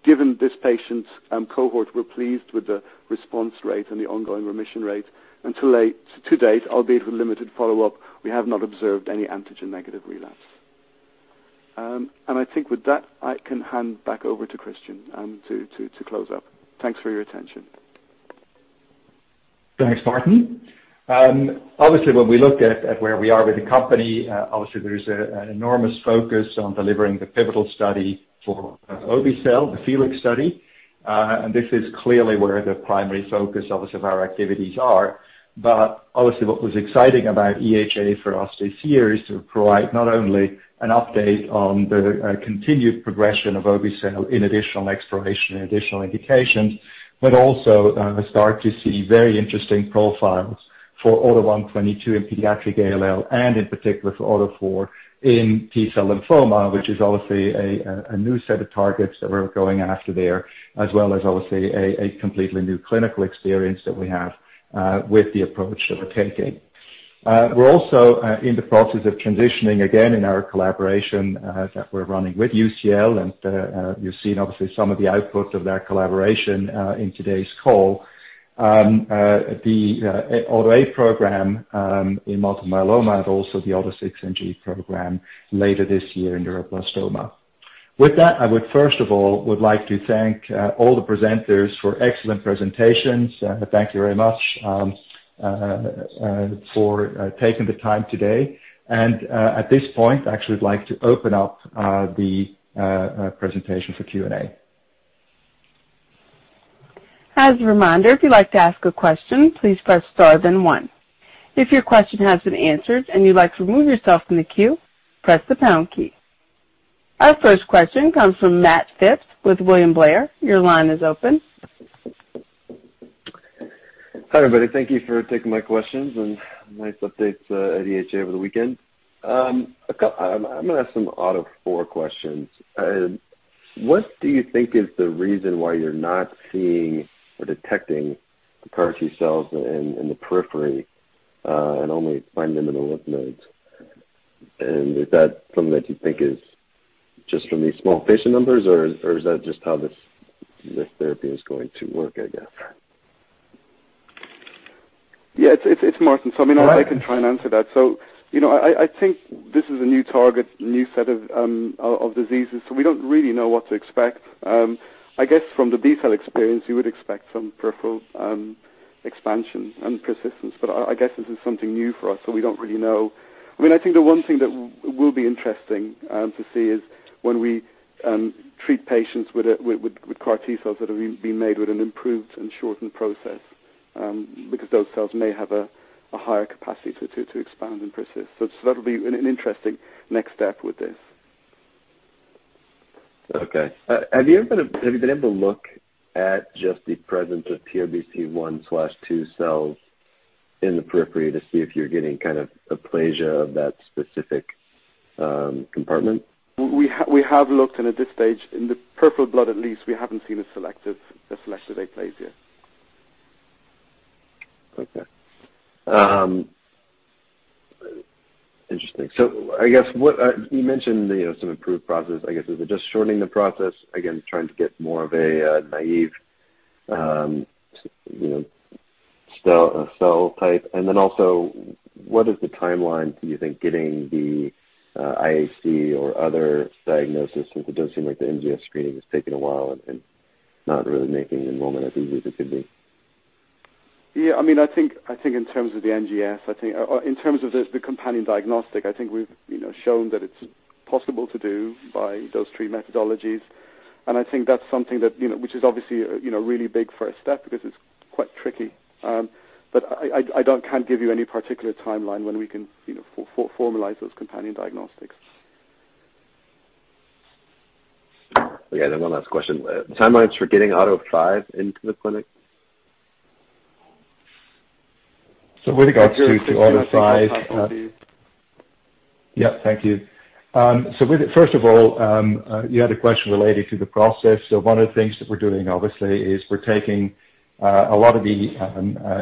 Given this patient's cohort, we're pleased with the response rate and the ongoing remission rate. To date, albeit with limited follow-up, we have not observed any antigen negative relapse. I think with that, I can hand back over to Christian to close up. Thanks for your attention. Thanks, Martin. Obviously, when we look at where we are with the company, obviously there's an enormous focus on delivering the pivotal study for obe-cel, the FELIX study. This is clearly where the primary focus obviously of our activities are. Obviously, what was exciting about EHA for us this year is to provide not only an update on the continued progression of obe-cel in additional exploration and additional indications, but also start to see very interesting profiles for AUTO1/22 in pediatric ALL and in particular for AUTO4 in T-cell lymphoma, which is obviously a new set of targets that we're going after there, as well as obviously a completely new clinical experience that we have with the approach that we're taking. We're also in the process of transitioning again in our collaboration that we're running with UCL, and you've seen obviously some of the output of that collaboration in today's call. The AUTO8 program in multiple myeloma and also the AUTO6NG program later this year in neuroblastoma. With that, I would first of all like to thank all the presenters for excellent presentations. Thank you very much for taking the time today. At this point, I actually would like to open up the presentation for Q&A. As a reminder, if you'd like to ask a question, please press Star then one. If your question has been answered and you'd like to remove yourself from the queue, press the pound key. Our first question comes from Matt Phipps with William Blair. Your line is open. Hi, everybody. Thank you for taking my questions and nice updates at EHA over the weekend. I'm gonna ask some AUTO4 questions. What do you think is the reason why you're not seeing or detecting the CAR T-cells in the periphery, and only find them in the lymph nodes? Is that something that you think is just from the small patient numbers or is that just how this therapy is going to work, I guess? Yeah, it's Martin. I mean, I can try and answer that. You know, I think this is a new target, new set of diseases, so we don't really know what to expect. I guess from the B-cell experience, you would expect some peripheral expansion and persistence, but I guess this is something new for us, so we don't really know. I mean, I think the one thing that will be interesting to see is when we treat patients with CAR T-cells that have been made with an improved and shortened process, because those cells may have a higher capacity to expand and persist. That'll be an interesting next step with this. Okay. Have you been able to look at just the presence of TRBC1/2 cells in the periphery to see if you're getting kind of aplasia of that specific compartment? We have looked and at this stage in the peripheral blood at least we haven't seen a selective aplasia. Okay. Interesting. I guess what you mentioned, you know, some improved process. I guess, is it just shortening the process? Again, trying to get more of a naive, you know, cell type. And then also, what is the timeline, do you think getting the IHC or other diagnosis? Because it does seem like the NGS screening is taking a while and not really making enrollment as easy as it could be. Yeah. I mean, I think in terms of the NGS, or in terms of the companion diagnostic, I think we've, you know, shown that it's possible to do by those three methodologies. I think that's something that, you know, which is obviously, you know, really big for a step because it's quite tricky. But I can't give you any particular timeline when we can, you know, formalize those companion diagnostics. Okay, one last question. Timelines for getting AUTO5 into the clinic? With regards to AUTO5, Yeah, thank you. With it, first of all, you had a question related to the process. One of the things that we're doing obviously is we're taking a lot of the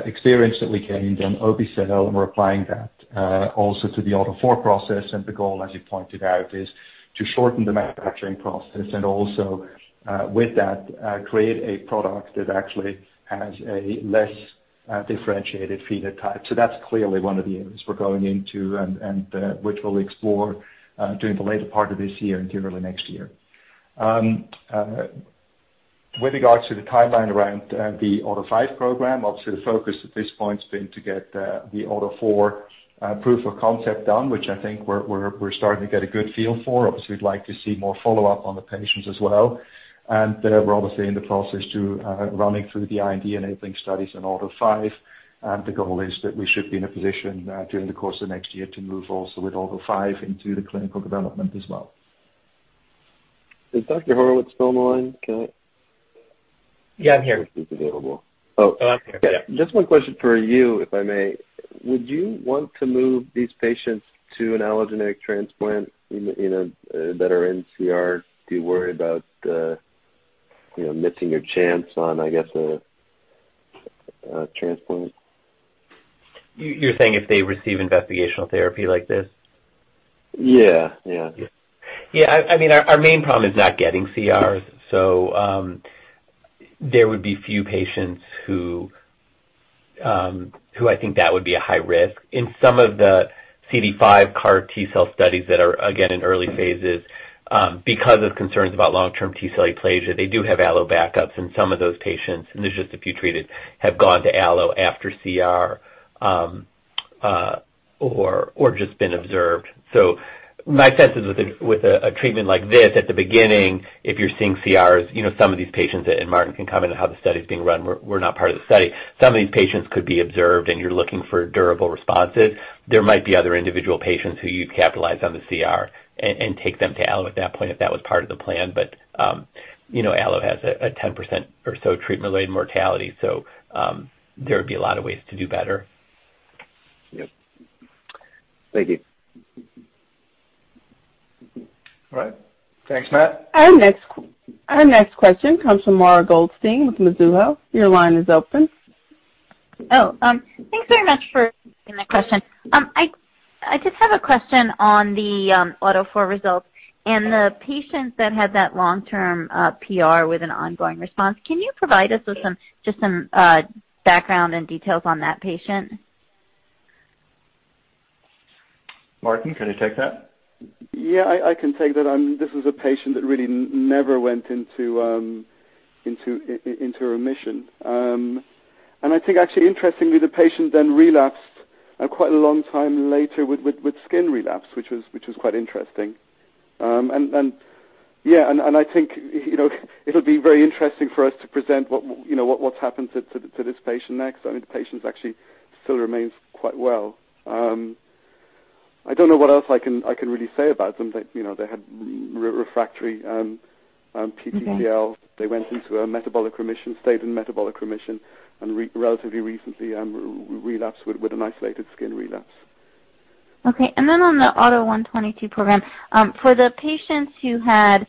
experience that we gained on obe-cel, and we're applying that also to the AUTO4 process. The goal, as you pointed out, is to shorten the manufacturing process and also with that create a product that actually has a less differentiated phenotype. That's clearly one of the areas we're going into and which we'll explore during the later part of this year and into early next year. With regards to the timeline around the AUTO5 program, obviously the focus at this point has been to get the AUTO4 proof of concept done, which I think we're starting to get a good feel for. Obviously, we'd like to see more follow-up on the patients as well. We're obviously in the process of running through the IND-enabling studies in AUTO5. The goal is that we should be in a position during the course of next year to move also with AUTO5 into the clinical development as well. Is Dr. Horwitz still on the line? Yeah, I'm here. If he's available. Oh. Oh, I'm here. Yeah. Just one question for you, if I may. Would you want to move these patients to an allogeneic transplant in a better CR? Do you worry about, you know, missing your chance on, I guess, a transplant? You're saying if they receive investigational therapy like this? Yeah, yeah. Yeah. I mean, our main problem is not getting CRs. There would be few patients who I think that would be a high risk. In some of the CD5 CAR T-cell studies that are, again, in early phases, because of concerns about long-term T-cell aplasia, they do have allo backups, and some of those patients, and there's just a few treated, have gone to allo after CR, or just been observed. My sense is with a treatment like this, at the beginning, if you're seeing CRs, you know, some of these patients, and Martin can comment on how the study's being run, we're not part of the study. Some of these patients could be observed, and you're looking for durable responses. There might be other individual patients who you'd capitalize on the CR and take them to allo at that point if that was part of the plan. You know, allo has a 10% or so treatment-related mortality, so there would be a lot of ways to do better. Yep. Thank you. All right. Thanks, Matt. Our next question comes from Mara Goldstein with Mizuho. Your line is open. Thanks very much for taking my question. I just have a question on the AUTO4 results and the patients that had that long-term PR with an ongoing response. Can you provide us with some, just some, background and details on that patient? Martin, can you take that? Yeah, I can take that. This is a patient that really never went into remission. I think actually interestingly, the patient then relapsed quite a long time later with skin relapse, which was quite interesting. I think, you know, it'll be very interesting for us to present what, you know, what's happened to this patient next. I mean, the patient's actually still remains quite well. I don't know what else I can really say about them. They, you know, they had refractory PTCL. Okay. They went into a metabolic remission, stayed in metabolic remission, and relatively recently relapsed with an isolated skin relapse. On the AUTO1/22 program, for the patients who had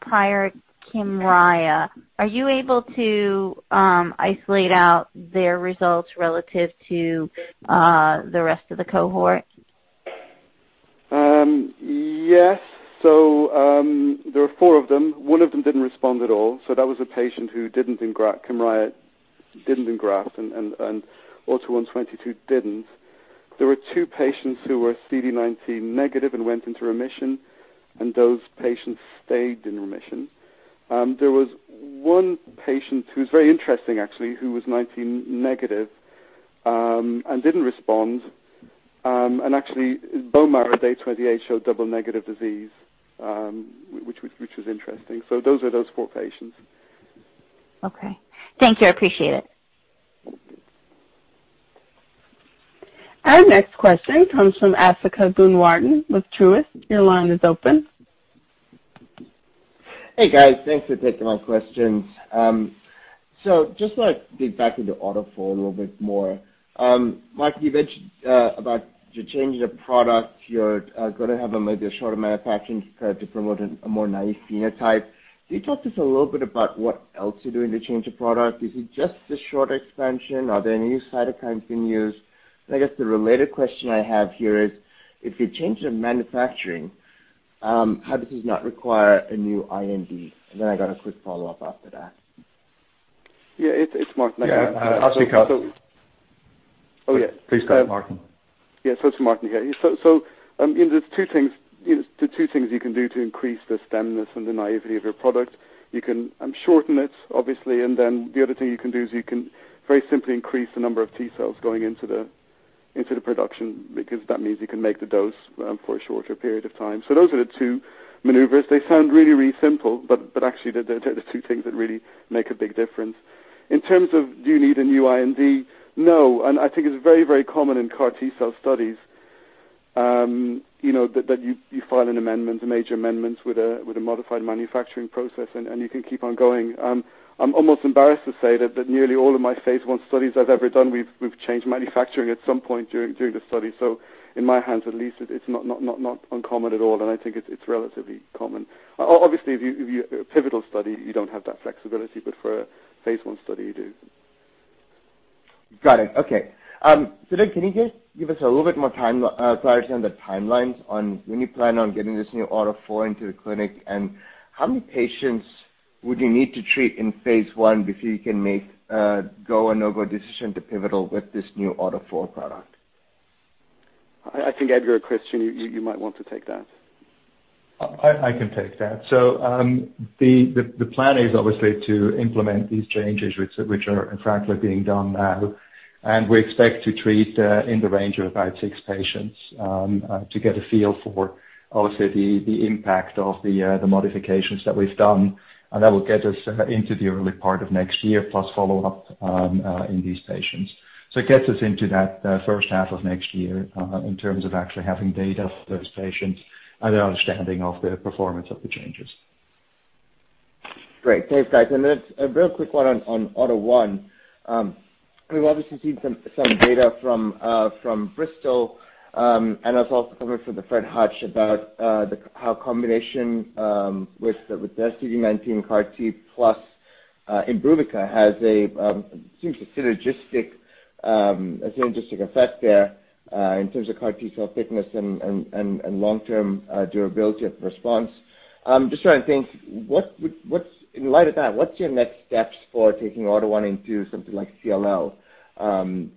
prior Kymriah, are you able to isolate out their results relative to the rest of the cohort? Yes. There are four of them. One of them didn't respond at all, that was a patient who didn't engraft Kymriah, didn't engraft, and AUTO1/22 didn't. There were two patients who were CD19 negative and went into remission, and those patients stayed in remission. There was one patient who's very interesting actually, who was 19 negative, and didn't respond. Actually bone marrow day 28 showed double negative disease, which was interesting. Those are the four patients. Okay. Thank you. I appreciate it. Our next question comes from Asthika Goonewardene with Truist. Your line is open. Hey, guys. Thanks for taking my questions. So just to dig back into AUTO4 a little bit more, Mark, you mentioned about the change of the product. You're gonna have maybe a shorter manufacturing period to promote a more naive phenotype. Can you talk to us a little bit about what else you're doing to change the product? Is it just the shorter expansion? Are there any new cytokines being used? And I guess the related question I have here is, if you're changing the manufacturing, how does this not require a new IND? And then I got a quick follow-up after that. Yeah, it's Mark. Yeah, Asthika Goonewardene. So- Please go ahead, Martin. Yeah. It's Martin here. You know, there's two things, you know, the two things you can do to increase the stemness and the naivety of your product. You can shorten it obviously, and then the other thing you can do is you can very simply increase the number of T cells going into the production, because that means you can make the dose for a shorter period of time. Those are the two maneuvers. They sound really simple, but actually they're the two things that really make a big difference. In terms of do you need a new IND? No. I think it's very, very common in CAR T cell studies, you know, that you file an amendment, a major amendment with a modified manufacturing process and you can keep on going. I'm almost embarrassed to say that nearly all of my phase one studies I've ever done, we've changed manufacturing at some point during the study. In my hands at least, it's not uncommon at all. I think it's relatively common. Obviously, if it's a pivotal study, you don't have that flexibility, but for a phase one study, you do. Got it. Okay. Can you just give us a little bit more time to understand the timelines on when you plan on getting this new AUTO4 into the clinic, and how many patients would you need to treat in phase 1 before you can make a go or no-go decision to pivotal with this new AUTO4 product? I think, Edgar Braendle or Christian Itin, you might want to take that. I can take that. The plan is obviously to implement these changes which are in fact being done now, and we expect to treat in the range of about six patients to get a feel for obviously the impact of the modifications that we've done. That will get us into the early part of next year plus follow-up in these patients. It gets us into that first half of next year in terms of actually having data for those patients and an understanding of the performance of the changes. Great. Thanks, guys. A real quick one on AUTO1. We've obviously seen some data from Bristol Myers Squibb, and that's also coming from the Fred Hutchinson Cancer Center about how combination with the CD19 CAR T plus ibrutinib has a synergistic effect there in terms of CAR T cell persistence and long-term durability of response. Just trying to think what's, in light of that, what's your next steps for taking AUTO1 into something like CLL? And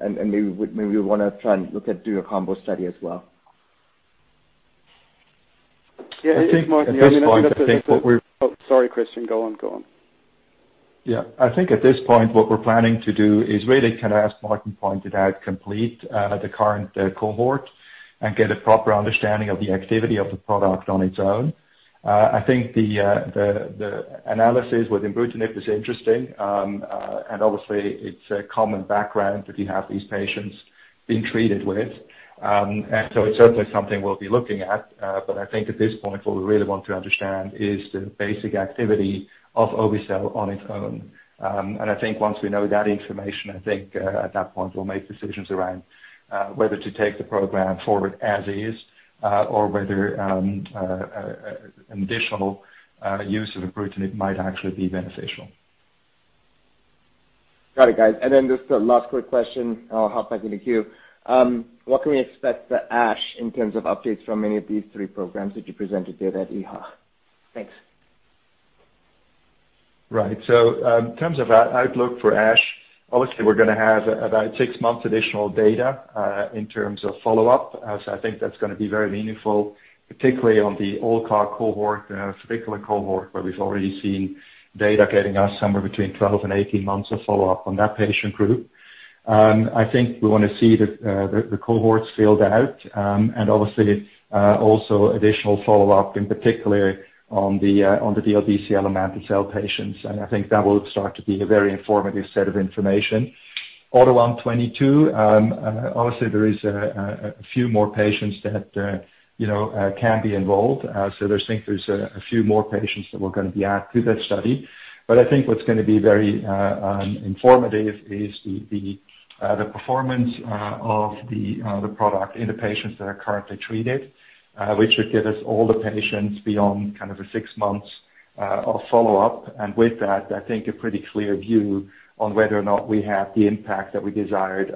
maybe we wanna try and look at doing a combo study as well. Yeah. It's Martin Pule here. I think at this point, I think what we're Oh, sorry, Christian. Go on. Yeah. I think at this point, what we're planning to do is really kind of, as Martin pointed out, complete the current cohort and get a proper understanding of the activity of the product on its own. I think the analysis with ibrutinib is interesting. Obviously it's a common background if you have these patients being treated with. It's certainly something we'll be looking at. I think at this point what we really want to understand is the basic activity of obe-cel on its own. I think once we know that information, at that point we'll make decisions around whether to take the program forward as is, or whether an additional use of ibrutinib might actually be beneficial. Got it, guys. Then just a last quick question and I'll hop back in the queue. What can we expect at ASH in terms of updates from any of these three programs that you presented today at EHA? Thanks. Right. In terms of outlook for ASH, obviously we're gonna have about six months additional data in terms of follow-up. I think that's gonna be very meaningful, particularly on the ALLCAR cohort, follicular cohort, where we've already seen data getting us somewhere between 12 and 18 months of follow-up on that patient group. I think we wanna see the cohorts filled out, and obviously also additional follow-up, and particularly on the DLBCL and mantle cell patients. I think that will start to be a very informative set of information. AUTO1/22, obviously there is a few more patients that you know can be enrolled. Think there's a few more patients that we're gonna add to that study. I think what's gonna be very informative is the performance of the product in the patients that are currently treated, which would give us all the patients beyond kind of a 6 months of follow-up. With that, I think a pretty clear view on whether or not we have the impact that we desired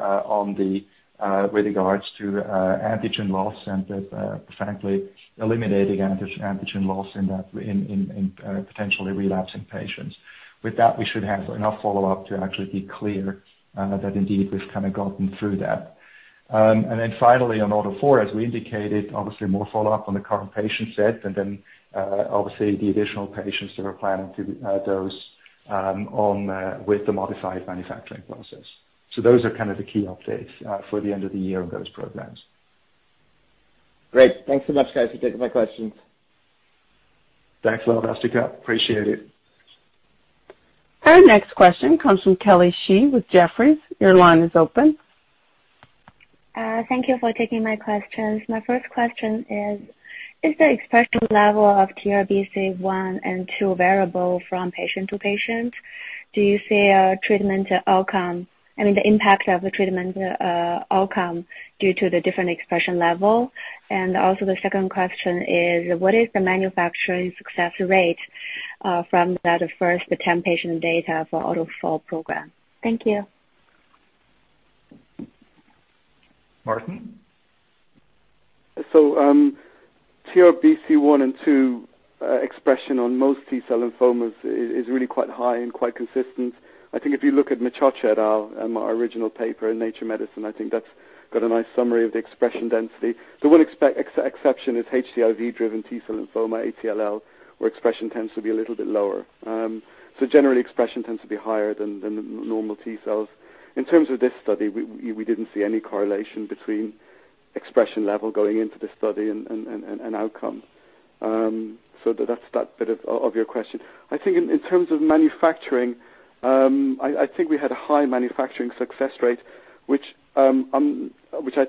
with regards to antigen loss and the frankly eliminating antigen loss in potentially relapsing patients. With that, we should have enough follow-up to actually be clear that indeed we've kinda gotten through that. Then finally on AUTO4, as we indicated, obviously more follow-up on the current patient set, and then obviously the additional patients that we're planning to dose with the modified manufacturing process. Those are kind of the key updates for the end of the year on those programs. Great. Thanks so much guys for taking my questions. Thanks a lot, Asthika. Appreciate it. Our next question comes from Kelly Shi with Jefferies. Your line is open. Thank you for taking my questions. My first question is the expression level of TRBC1 and TRBC2 variable from patient to patient? Do you see a treatment outcome, I mean, the impact of the treatment, outcome due to the different expression level? And also, the second question is, what is the manufacturing success rate, from that first 10 patient data for AUTO4 program? Thank you. Martin. TRBC1 and TRBC2 expression on most T-cell lymphomas is really quite high and quite consistent. I think if you look at Macioccia et al, our original paper in Nature Medicine, I think that's got a nice summary of the expression density. The one exception is HTLV-driven T-cell lymphoma, ATLL, where expression tends to be a little bit lower. Generally expression tends to be higher than the normal T-cells. In terms of this study, we didn't see any correlation between expression level going into the study and outcome. That's that bit of your question. I think in terms of manufacturing, I think we had a high manufacturing success rate, which I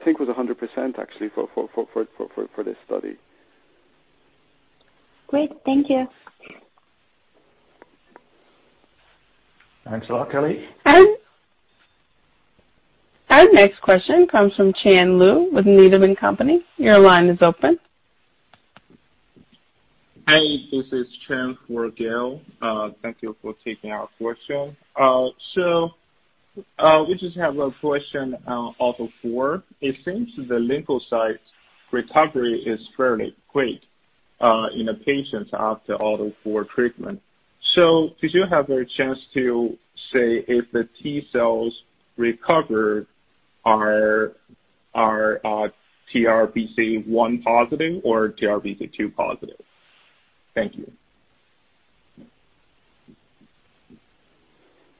think was 100% actually for this study. Great. Thank you. Thanks a lot, Kelly. Our next question comes from [Chad Lu] with Needham & Company. Your line is open. Hi, this is [Chad] for Gil. Thank you for taking our question. We just have a question on AUTO4. It seems the lymphocyte recovery is fairly quick in the patients after AUTO4 treatment. Did you have a chance to say if the T-cells recovered are TRBC1 positive or TRBC2 positive? Thank you.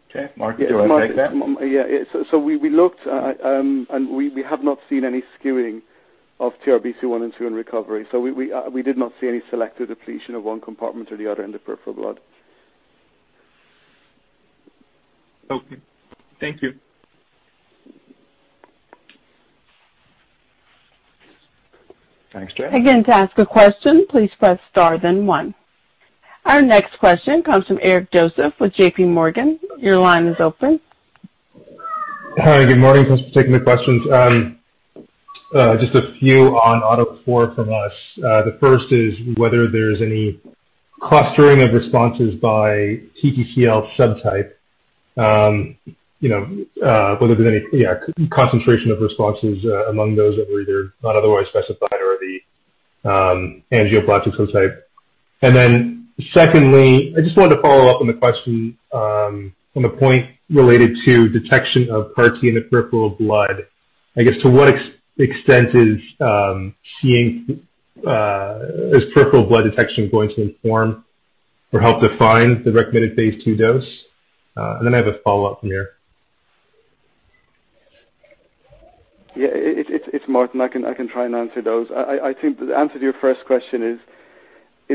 Okay. Martin, do you wanna take that? We looked and we have not seen any skewing of TRBC1 and TRBC2 in recovery. We did not see any selective depletion of one compartment or the other in the peripheral blood. Okay. Thank you. Thanks, Chad. Again, to ask a question, please press star then one. Our next question comes from Eric Joseph with J.P. Morgan. Your line is open. Hi, good morning. Thanks for taking the questions. Just a few on AUTO4 from us. The first is whether there's any clustering of responses by PTCL subtype, you know, whether there's any concentration of responses among those that were either not otherwise specified or the angioimmunoblastic subtype. Secondly, I just wanted to follow up on the question on the point related to detection of protein in peripheral blood. I guess, to what extent is peripheral blood detection going to inform or help define the recommended phase two dose. I have a follow-up from here. Yeah, it's Martin. I can try and answer those. I think the answer to your first question is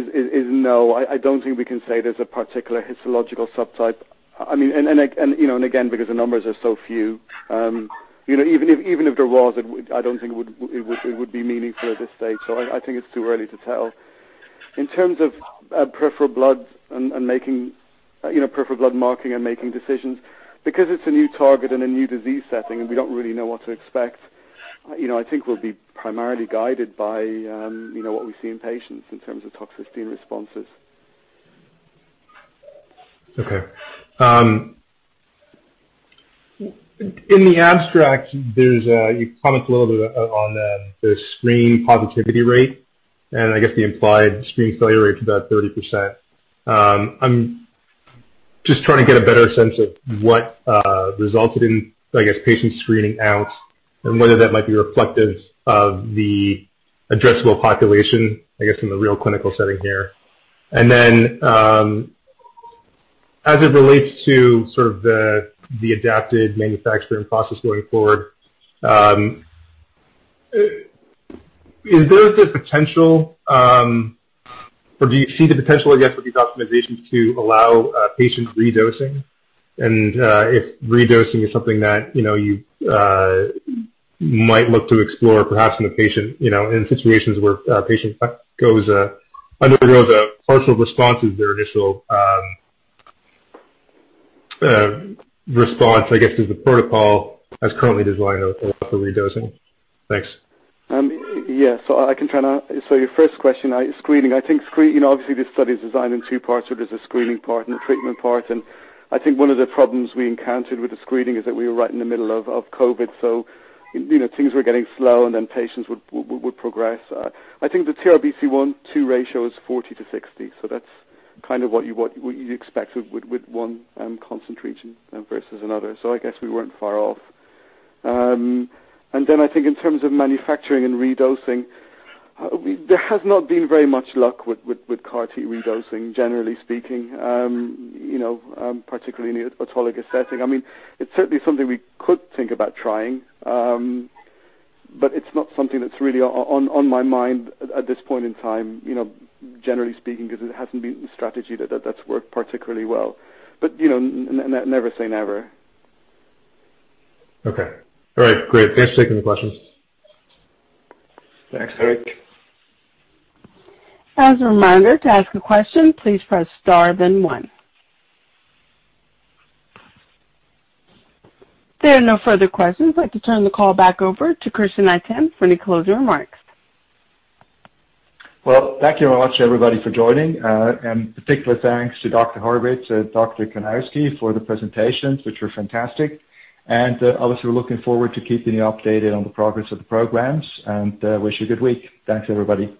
no. I don't think we can say there's a particular histological subtype. I mean, like, you know, again, because the numbers are so few, you know, even if there was, I don't think it would be meaningful at this stage. I think it's too early to tell. In terms of peripheral blood monitoring and making decisions, because it's a new target and a new disease setting, we don't really know what to expect. You know, I think we'll be primarily guided by, you know, what we see in patients in terms of toxicity and responses. Okay. In the abstract, you comment a little bit on the screen positivity rate, and I guess the implied screen failure rate is about 30%. I'm just trying to get a better sense of what resulted in, I guess, patient screening out and whether that might be reflective of the addressable population, I guess, in the real clinical setting here. As it relates to sort of the adapted manufacturing process going forward, is there the potential, or do you see the potential, I guess, with these optimizations to allow patient re-dosing? If re-dosing is something that you know you might look to explore perhaps in the patient, you know, in situations where a patient undergoes a partial response to their initial response, I guess, to the protocol as currently designed for re-dosing. Thanks. Yes. Your first question, screening. I think. You know, obviously this study is designed in two parts. There's a screening part and a treatment part. One of the problems we encountered with the screening is that we were right in the middle of COVID. You know, things were getting slow, and then patients would progress. The TRBC1 to ratio is 40-60, so that's kind of what you expected with one concentration versus another. I guess we weren't far off. In terms of manufacturing and re-dosing, there has not been very much luck with CAR T re-dosing generally speaking, you know, particularly in the autologous setting. I mean, it's certainly something we could think about trying, but it's not something that's really on my mind at this point in time, you know, generally speaking, because it hasn't been a strategy that's worked particularly well. You know, never say never. Okay. All right. Great. Thanks for taking the questions. Thanks, Eric. As a reminder to ask a question, please press star then one. If there are no further questions, I'd like to turn the call back over to Christian Itin for any closing remarks. Well, thank you very much everybody for joining. Particular thanks to Dr. Horwitz, to Dr. Cwynarski for the presentations, which were fantastic. Obviously, we're looking forward to keeping you updated on the progress of the programs, and wish you a good week. Thanks, everybody.